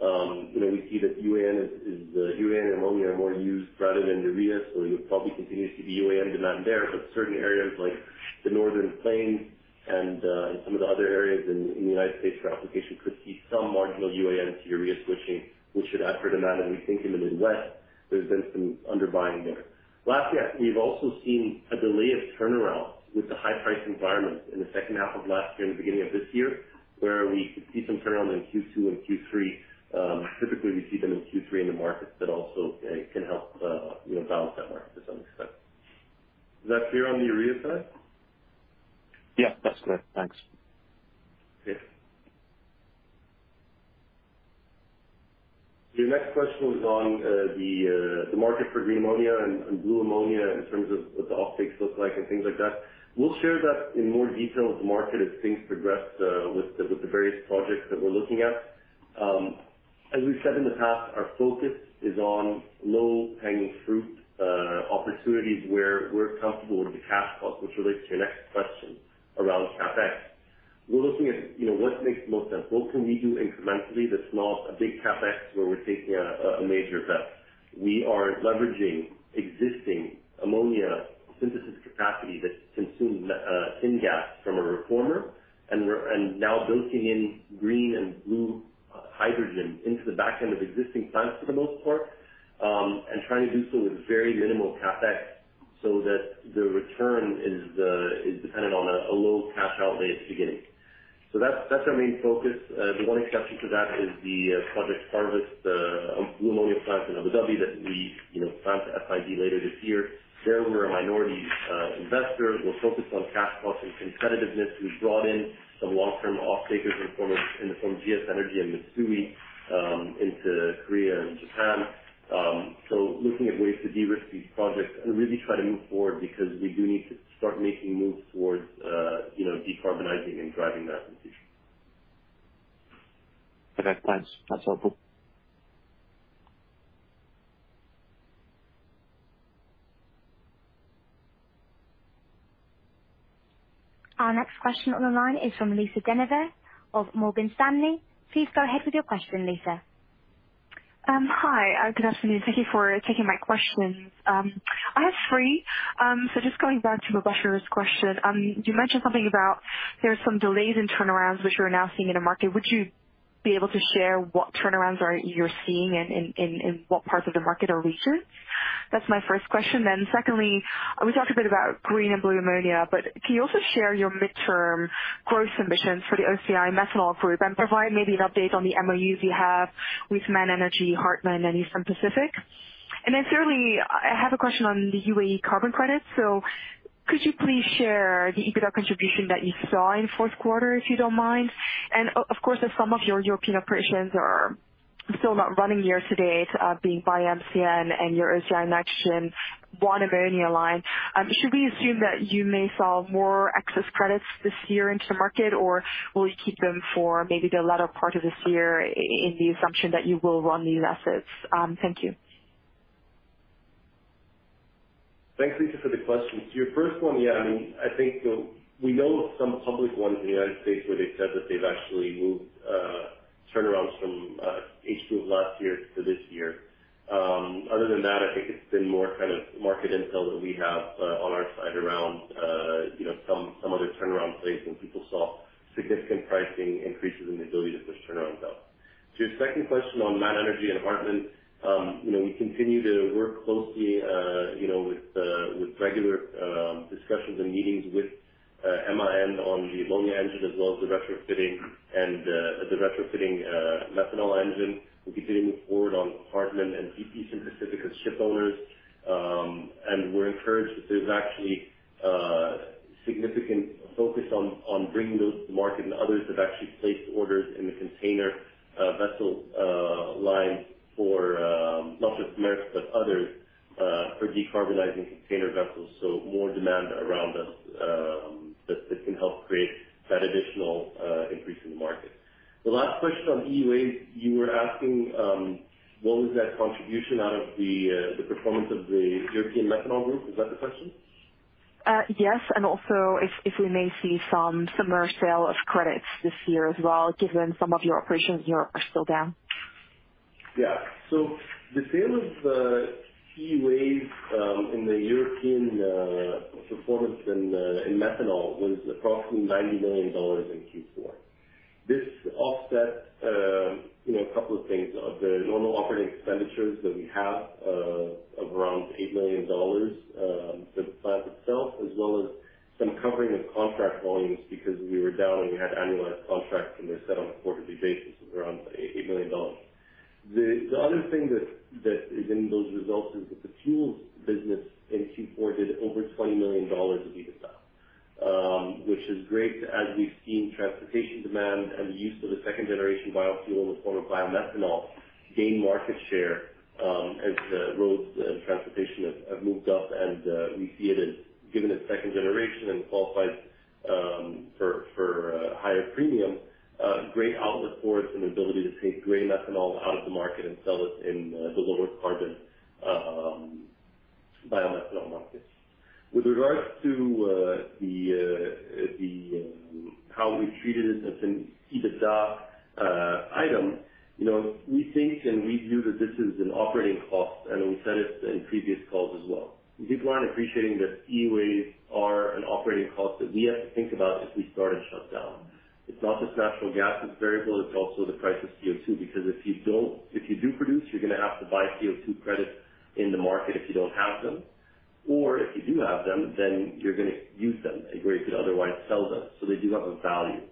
you know, we see that UAN is UAN and ammonia are more used rather than urea. You'll probably continue to see the UAN demand there. Certain areas like the northern plains and some of the other areas in the United States for application could see some marginal UAN to urea switching, which should add to demand. We think in the Midwest there's been some underbuying there. Last year, we've also seen a delay of turnarounds with the high price environment in the H2 of last year and the beginning of this year, where we could see some turnarounds in Q2 and Q3. Typically we see them in Q3 in the markets that also, you know, balance that market to some extent. Is that clear on the urea side? Yeah, that's clear. Thanks. Okay. Your next question was on the market for green ammonia and blue ammonia in terms of what the off-takes look like and things like that. We'll share that in more detail with the market as things progress with the various projects that we're looking at. As we've said in the past, our focus is on low-hanging fruit opportunities where we're comfortable with the cash cost, which relates to your next question around CapEx. We're looking at, you know, what makes the most sense? What can we do incrementally that's not a big CapEx where we're taking a major bet? We are leveraging existing ammonia synthesis capacity that consumes syngas from a reformer, and now building in green and blue hydrogen into the back end of existing plants for the most part, and trying to do so with very minimal CapEx so that the return is dependent on a low cash outlay at the beginning. That's our main focus. The one exception to that is the Project Harvest blue ammonia plant in Abu Dhabi that we, you know, plan to FID later this year. There we're a minority investor. We're focused on cash costs and competitiveness. We've brought in some long-term off-takers in the form of GS Energy and Mitsui into Korea and Japan. Looking at ways to de-risk these projects and really try to move forward because we do need to start making moves towards, you know, decarbonizing and driving that transition. Okay, thanks. That's helpful. Our next question on the line is from Lisa De Neve of Morgan Stanley. Please go ahead with your question, Lisa. Hi. Good afternoon. Thank you for taking my questions. I have three. Just going back to Mubarak's question, you mentioned something about there are some delays in turnarounds which you're now seeing in the market. Would you be able to share what turnarounds you're seeing and in what parts of the market or regions? That's my first question. Secondly, we talked a bit about green and blue ammonia, but can you also share your midterm growth ambitions for the OCI Methanol group and provide maybe an update on the MOUs you have with MAN Energy, Hartmann, and Eastern Pacific? Thirdly, I have a question on the UAE carbon credits. Could you please share the EBITDA contribution that you saw in Q4, if you don't mind? Of course, if some of your European operations are still not running year to date, BioMCN and your OCI Nitrogen Bonaventure line, should we assume that you may sell more excess credits this year into the market, or will you keep them for maybe the latter part of this year in the assumption that you will run new assets? Thank you. Thanks, Lisa, for the questions. Your first one, yeah, I mean, I think we know of some public ones in the United States where they've said that they've actually moved turnarounds from H2 of last year to this year. Other than that, I think it's been more kind of market intel that we have on our side around you know, some of the turnaround plays when people saw significant pricing increases in the ability to push turnarounds out. To your second question on MAN Energy Solutions and Hartmann Group, you know, we continue to work closely, you know, with regular discussions and meetings with MAN on the ammonia engine as well as the retrofitting and methanol engine. We'll be continuing to move forward on Hartmann Group and Eastern Pacific Shipping as ship owners. We're encouraged that there's actually significant focus on bringing those to market, and others have actually placed orders in the container vessel line for not just Maersk but others for decarbonizing container vessels, so more demand around us that can help create that additional increase in the market. The last question on EUAs, you were asking, what was that contribution out of the performance of the European methanol group? Is that the question? Yes. If we may see some summer sale of credits this year as well, given some of your operations in Europe are still down. Yeah. The sale of EUAs in the European performance in methanol was approximately $90 million in Q4. This offset you know a couple of things. The normal operating expenditures that we have of around $8 million for the plant itself, as well as some covering of contract volumes because we were down and we had annualized contracts, and they're set on a quarterly basis of around $8 million. The other thing that is in those results is that the fuels business in Q4 did over $20 million of EBITDA, which is great as we've seen transportation demand and the use of the second generation biofuel in the form of biomethanol gain market share, as the roads and transportation have moved up. We see it as given it's second generation and qualifies for higher premium, great outlook for us and ability to take gray methanol out of the market and sell it in the lower carbon biomethanol markets. With regards to how we treated it as an EBITDA item, you know, we think and we view that this is an operating cost, and we said it in previous calls as well. People aren't appreciating that EUAs are an operating cost that we have to think about as we start and shut down. It's not just natural gas that's variable, it's also the price of CO2, because if you do produce, you're gonna have to buy CO2 credits in the market if you don't have them. If you do have them, then you're gonna use them where you could otherwise sell them. They do have a value.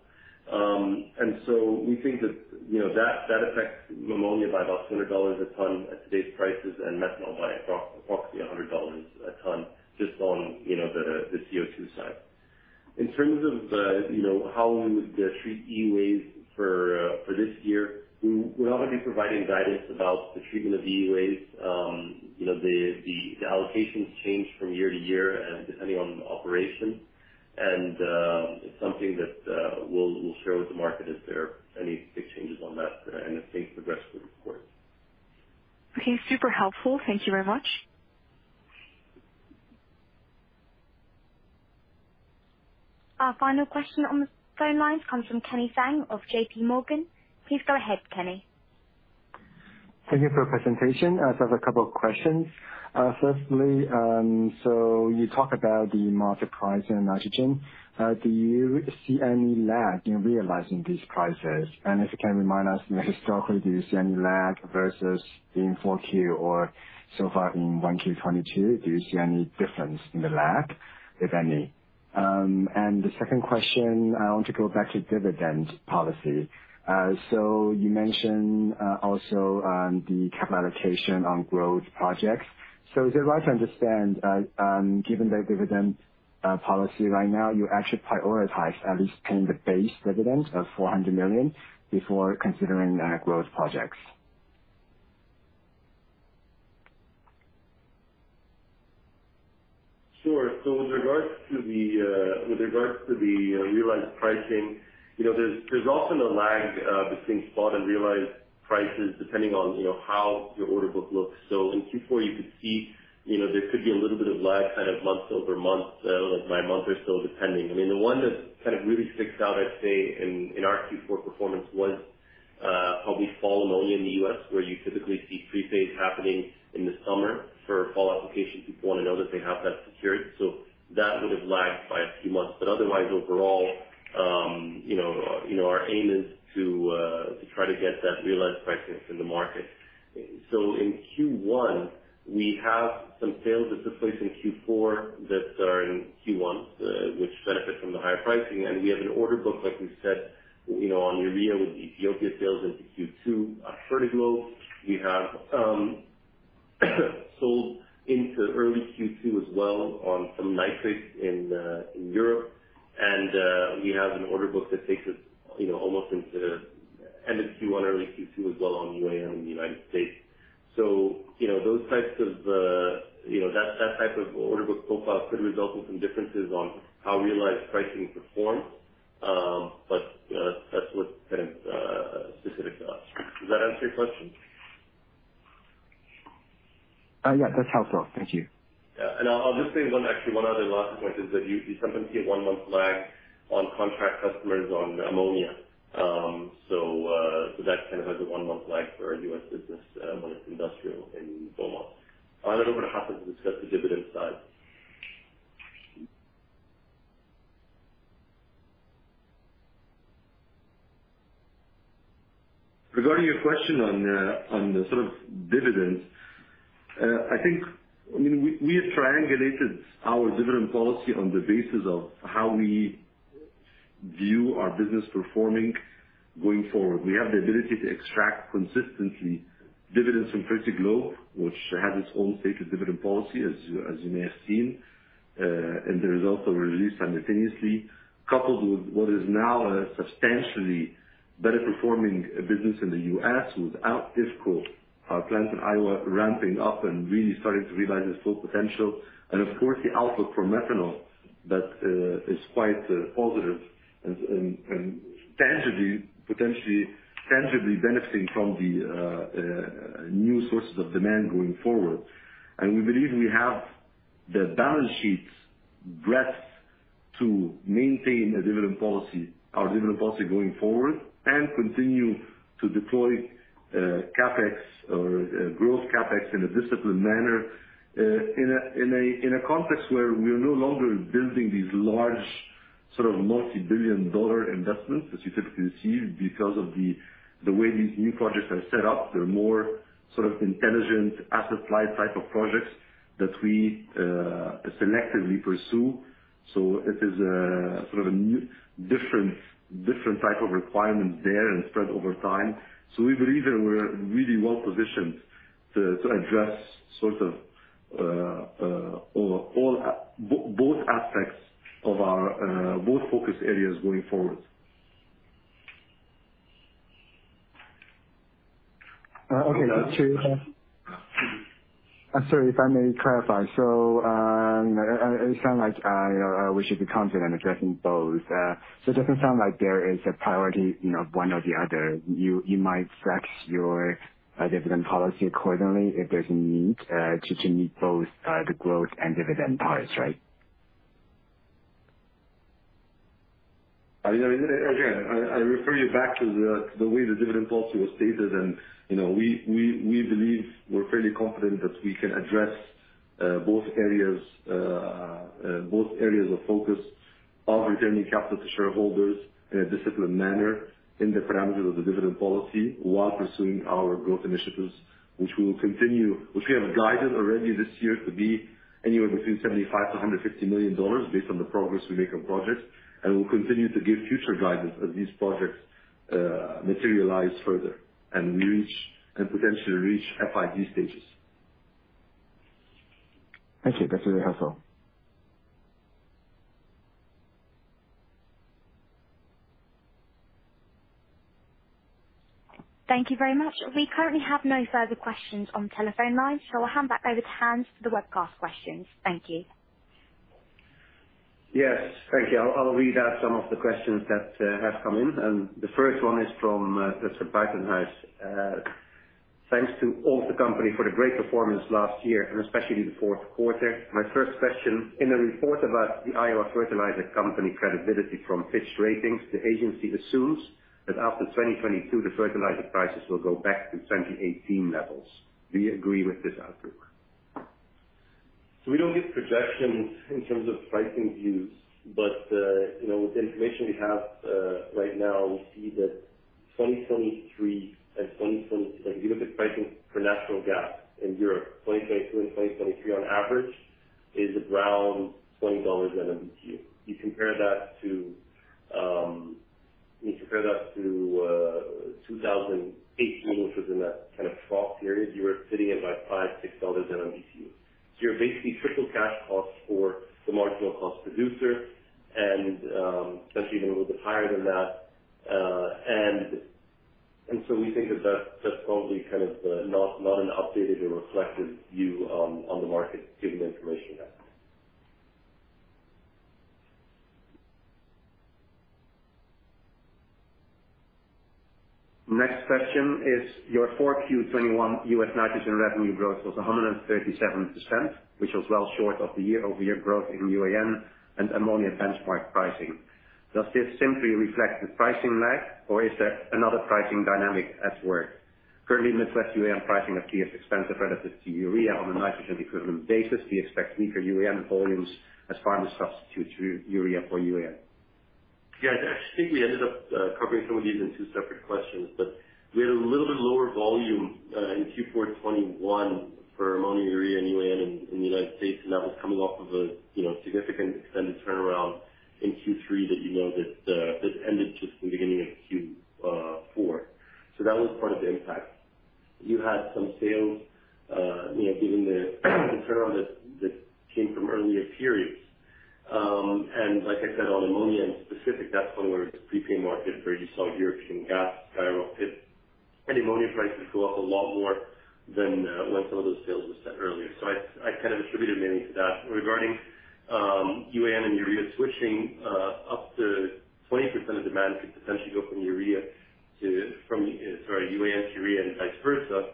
We think that, you know, that affects ammonia by about $200 a ton at today's prices and methanol by approximately $100 a ton just on, you know, the CO2 side. In terms of, you know, how we would treat EUAs for this year, we're not gonna be providing guidance about the treatment of EUAs. You know, the allocations change from year to year and depending on the operation. It's something that we'll share with the market if there are any big changes on that front. Things progress through the course. Okay, super helpful. Thank you very much. Our final question on the phone lines comes from Kenneth Tsang. Please go ahead, Kenneth. Thank you for your presentation. I just have a couple of questions. Firstly, you talk about the market price in nitrogen. Do you see any lag in realizing these prices? If you can remind us, you know, historically, do you see any lag versus in 4Q or so far in 1Q 2022? Do you see any difference in the lag, if any? The second question, I want to go back to dividend policy. You mentioned also the capital allocation on growth projects. Is it right to understand, given the dividend policy right now you actually prioritize at least paying the base dividend of $400 million before considering growth projects? Sure. With regards to the realized pricing, you know, there's often a lag between spot and realized prices depending on, you know, how your order book looks. In Q4 you could see, you know, there could be a little bit of lag kind of month-over-month, like by a month or so depending. I mean, the one that kind of really sticks out, I'd say in our Q4 performance was probably fall ammonia in the U.S., where you typically see pre-pays happening in the summer for fall application. People wanna know that they have that security. That would've lagged by a few months. Otherwise, overall, you know, our aim is to try to get that realized pricing from the market. In Q1, we have some sales that took place in Q4 that are in Q1, which benefit from the higher pricing. We have an order book, like we've said, you know, on urea with Ethiopia sales into Q2. At Fertiglobe, we have sold into early Q2 as well on some nitric in Europe. We have an order book that takes us, you know, almost into end of Q1, early Q2 as well on UAN in the United States. You know, those types of, you know, that type of order book profile could result in some differences on how realized pricing performs. That's less kind of specific to us. Does that answer your question? Yeah. That's helpful. Thank you. I'll just say one actually one other last point is that you sometimes get one month lag on contract customers on ammonia. So that kind of has a one-month lag for our U.S. business when it's industrial in Beaumont. I'll hand over to Hassan to discuss the dividend side. Regarding your question on the sort of dividends, I think I mean, we have triangulated our dividend policy on the basis of how we view our business performing going forward. We have the ability to extract consistently dividends from Fertiglobe, which has its own stated dividend policy, as you may have seen, and the results are released simultaneously. Coupled with what is now a substantially better performing business in the U.S., with our OCI, our plant in Iowa ramping up and really starting to realize its full potential. Of course, the outlook for methanol that is quite positive and tangibly, potentially benefiting from the new sources of demand going forward. We believe we have the balance sheet breadth to maintain a dividend policy, our dividend policy going forward, and continue to deploy CapEx or growth CapEx in a disciplined manner in a context where we're no longer building these large sort of multi-billion-dollar investments that you typically see because of the way these new projects are set up. They're more sort of intelligent asset-light type of projects that we selectively pursue. It is a sort of a new different type of requirement there and spread over time. We believe that we're really well positioned to address sort of both aspects of our focus areas going forward. Okay. Yeah. I'm sorry, if I may clarify. It sound like, you know, we should be confident addressing both. It doesn't sound like there is a priority, you know, of one or the other. You might flex your dividend policy accordingly if there's a need to meet both the growth and dividend parts, right? I mean, again, I refer you back to the way the dividend policy was stated. You know, we believe we're fairly confident that we can address both areas of focus of returning capital to shareholders in a disciplined manner in the parameters of the dividend policy while pursuing our growth initiatives, which we have guided already this year to be anywhere between $75 million-$150 million based on the progress we make on projects. We'll continue to give future guidance as these projects materialize further and potentially reach FID stages. Thank you. That's it. That's all. Thank you very much. We currently have no further questions on telephone lines, so I'll hand back over to Hans for the webcast questions. Thank you. Yes. Thank you. I'll read out some of the questions that have come in, and the first one is from Mr. Buitenhuis. Thanks to all at the company for the great performance last year and especially the Q4. My first question, in a report about the Iowa Fertilizer Company's credit rating from Fitch Ratings, the agency assumes that after 2022 the fertilizer prices will go back to 2018 levels. Do you agree with this outlook? We don't give projections in terms of pricing views. With the information we have right now, we see that 2023 and 2024—like if you look at pricing for natural gas in Europe, 2022 and 2023 on average is around $20/MMBtu. You compare that to 2018, which was in a kind of trough period, you were sitting at like $5-$6/MMBtu. You're basically triple cash costs for the marginal cost producer and potentially even a little bit higher than that. We think that that's probably not an updated or reflective view on the market given the information we have. Next question is, your Q4 2021 US nitrogen revenue growth was 137%, which was well short of the year-over-year growth in UAN and ammonia benchmark pricing. Does this simply reflect the pricing lag or is there another pricing dynamic at work? Currently, Midwest UAN pricing appears expensive relative to urea on a nitrogen equivalent basis. Do you expect weaker UAN volumes as farmers substitute urea for UAN? Yeah. I actually think we ended up covering some of these in two separate questions. We had a little bit lower volume in Q4 2021 for ammonia, urea, and UAN in the United States, and that was coming off of a you know significant extended turnaround in Q3 that ended just in the beginning of Q4. That was part of the impact. You had some sales you know given the turnaround that came from earlier periods. Like I said on ammonia in specific, that's one where it's a prepaid market where you saw European gas skyrocket, and ammonia prices go up a lot more than when some of those sales were set earlier. I kind of attribute it mainly to that. Regarding UAN and urea switching, up to 20% of demand could potentially go from UAN to urea and vice versa.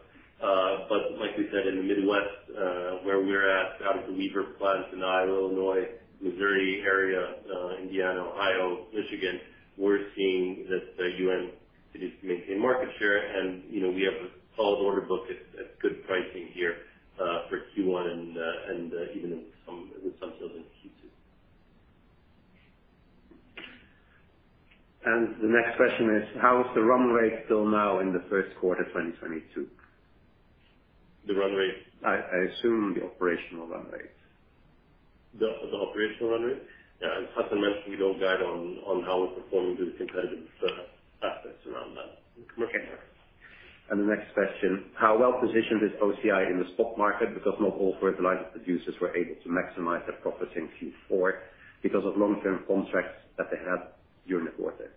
But like we said, in the Midwest, where we're at, out of the river plants in Iowa, Illinois, Missouri area, Indiana, Ohio, Michigan, we're seeing that the UAN continues to maintain market share. You know, we have a solid order book at good pricing here for Q1 and even in some sales into Q2. The next question is: How is the run rate till now in the Q1 of 2022? The run rate? I assume the operational run rate. The operational run rate? Yeah. As Hassan mentioned, we don't guide on how we're performing due to competitive aspects around that. Commercial. Okay. The next question: How well positioned is OCI in the spot market? Because not all fertilizer producers were able to maximize their profits in Q4 because of long-term contracts that they had during the quarter.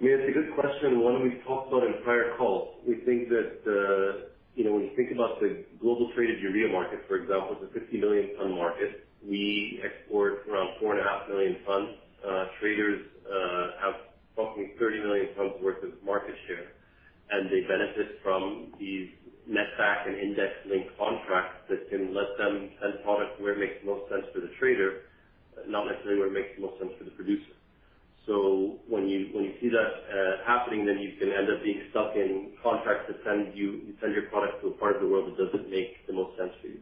Yeah. It's a good question. One we've talked about in prior calls. We think that, you know, when you think about the global traded urea market, for example, it's a 50 million ton market. We export around 4.5 million tons. Traders have roughly 30 million tons worth of market share, and they benefit from these netback and index-linked contracts that can let them send product where it makes the most sense for the trader, not necessarily where it makes the most sense for the producer. When you see that happening, then you can end up being stuck in contracts that send your product to a part of the world that doesn't make the most sense for you.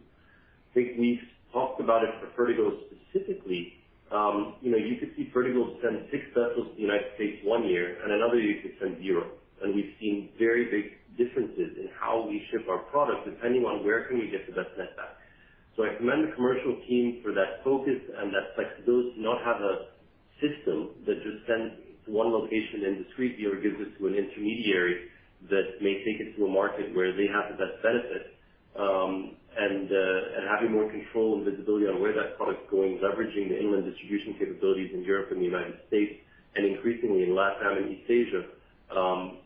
I think we've talked about it for Fertiglobe specifically. You know you could see Fertiglobe send six vessels to the United States one year and another year you could send zero. We've seen very big differences in how we ship our product depending on where can we get the best netback. I commend the commercial team for that focus and that flexibility to not have a system that just sends one location and just gives it to an intermediary that may take it to a market where they have the best benefit, having more control and visibility on where that product's going, leveraging the inland distribution capabilities in Europe and the United States, and increasingly in LatAm and East Asia,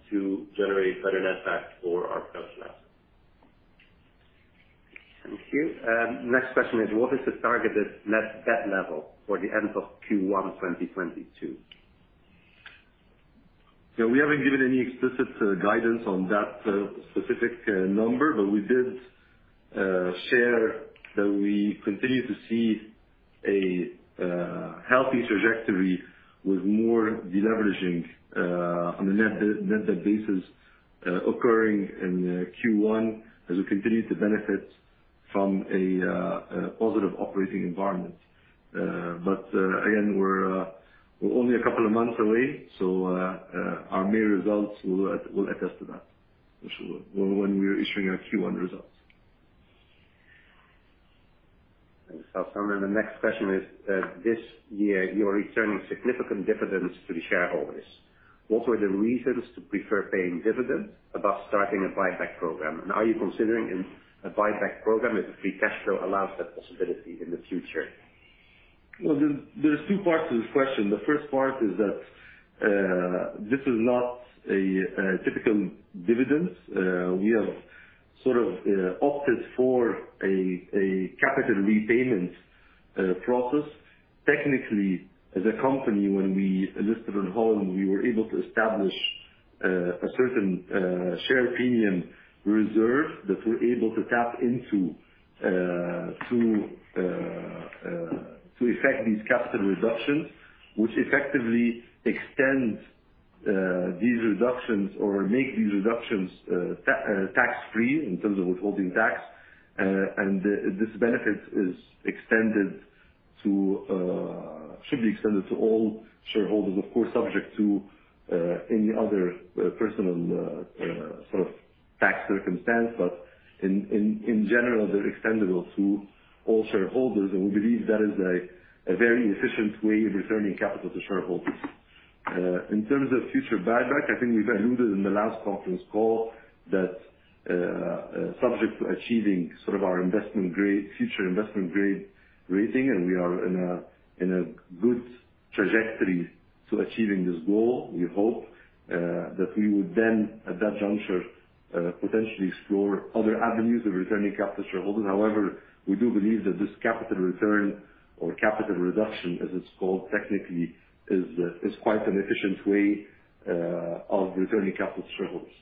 to generate better netbacks for our customers. Thank you. Next question is, what is the target net debt level for the end of Q1 2022? Yeah, we haven't given any explicit guidance on that specific number, but we did share that we continue to see a healthy trajectory with more deleveraging on a net debt basis occurring in Q1 as we continue to benefit from a positive operating environment. Again, we're only a couple of months away, so our main results will attest to that for sure when we're issuing our Q1 results. Thanks, Hassan. The next question is, this year you're returning significant dividends to the shareholders. What were the reasons to prefer paying dividends above starting a buyback program? Are you considering a buyback program if the free cash flow allows that possibility in the future? Well, there's two parts to this question. The first part is that this is not a typical dividend. We have sort of opted for a capital repayment process. Technically, as a company, when we listed in Holland, we were able to establish a certain share premium reserve that we're able to tap into to effect these capital reductions, which effectively extends these reductions or make these reductions tax free in terms of withholding tax. This benefit should be extended to all shareholders, of course, subject to any other sort of tax circumstance. In general, they're extendable to all shareholders, and we believe that is a very efficient way of returning capital to shareholders. In terms of future buyback, I think we've alluded in the last conference call that, subject to achieving sort of our investment grade, future investment grade rating, and we are in a good trajectory to achieving this goal. We hope that we would then, at that juncture, potentially explore other avenues of returning capital to shareholders. However, we do believe that this capital return or capital reduction, as it's called technically, is quite an efficient way of returning capital to shareholders.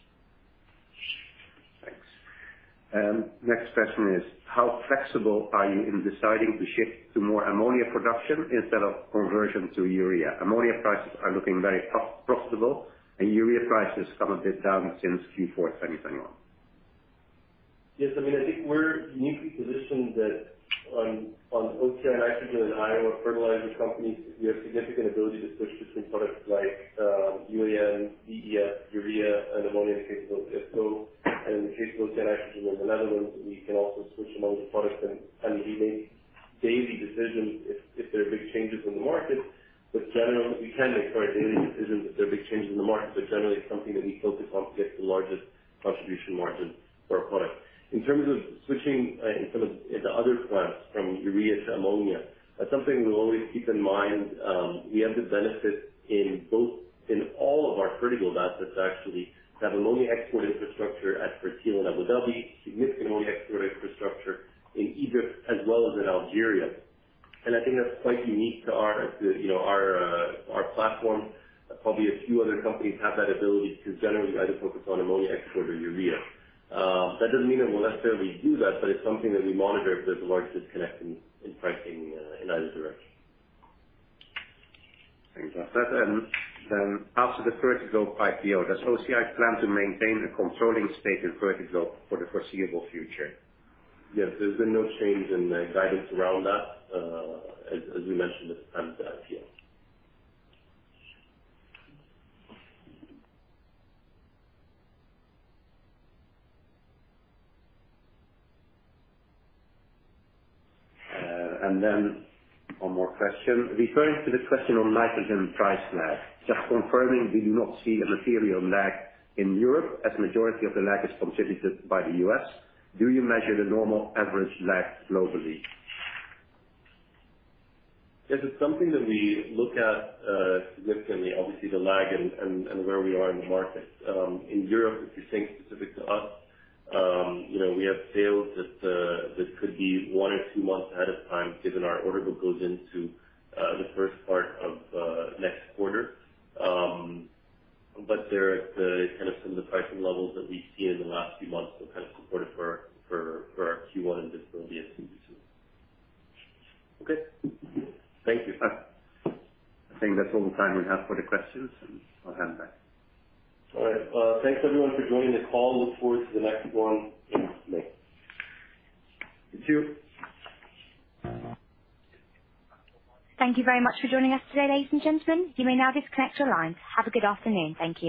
Thanks. Next question is, how flexible are you in deciding to shift to more ammonia production instead of conversion to urea? Ammonia prices are looking very profitable, and urea prices come a bit down since Q4 2021. Yes. I mean, I think we're uniquely positioned that on OCI Nitrogen and Iowa Fertilizer Company, we have significant ability to switch between products like UAN, DEF, urea and ammonia in the case of OCI Ag. In the case of OCI Nitrogen in the Netherlands, we can also switch among the products and we make daily decisions if there are big changes in the market. But generally it's something that we focus on to get the largest contribution margin for our product. In terms of switching, in terms of the other products from urea to ammonia, that's something we'll always keep in mind. We have the benefit in both, in all of our Fertiglobe assets actually to have ammonia export infrastructure at Fertil in Abu Dhabi, significant ammonia export infrastructure in Egypt as well as in Algeria. I think that's quite unique to our, you know, our platform. Probably a few other companies have that ability to generally either focus on ammonia export or urea. That doesn't mean that we'll necessarily do that, but it's something that we monitor if there's a large disconnect in pricing in either direction. Thanks for that. After the Fertiglobe IPO, does OCI plan to maintain a controlling stake in Fertiglobe for the foreseeable future? Yes. There's been no change in the guidance around that, as we mentioned at the time of the IPO. One more question. Referring to the question on nitrogen price lag, just confirming, do you not see a material lag in Europe as majority of the lag is contributed by the U.S.? Do you measure the normal average lag globally? Yes, it's something that we look at significantly, obviously the lag and where we are in the market. In Europe, if you're saying specific to us, you know, we have sales that could be one or two months ahead of time, given our order book goes into the first part of next quarter. But they're at the kind of some of the pricing levels that we've seen in the last few months that kind of supported for our Q1 visibility in 2022. Okay. Thank you. Thanks. I think that's all the time we have for the questions, and I'll hand back. All right. Thanks everyone for joining the call. Look forward to the next one in May. Thank you. Thank you very much for joining us today, ladies and gentlemen. You may now disconnect your lines. Have a good afternoon. Thank you.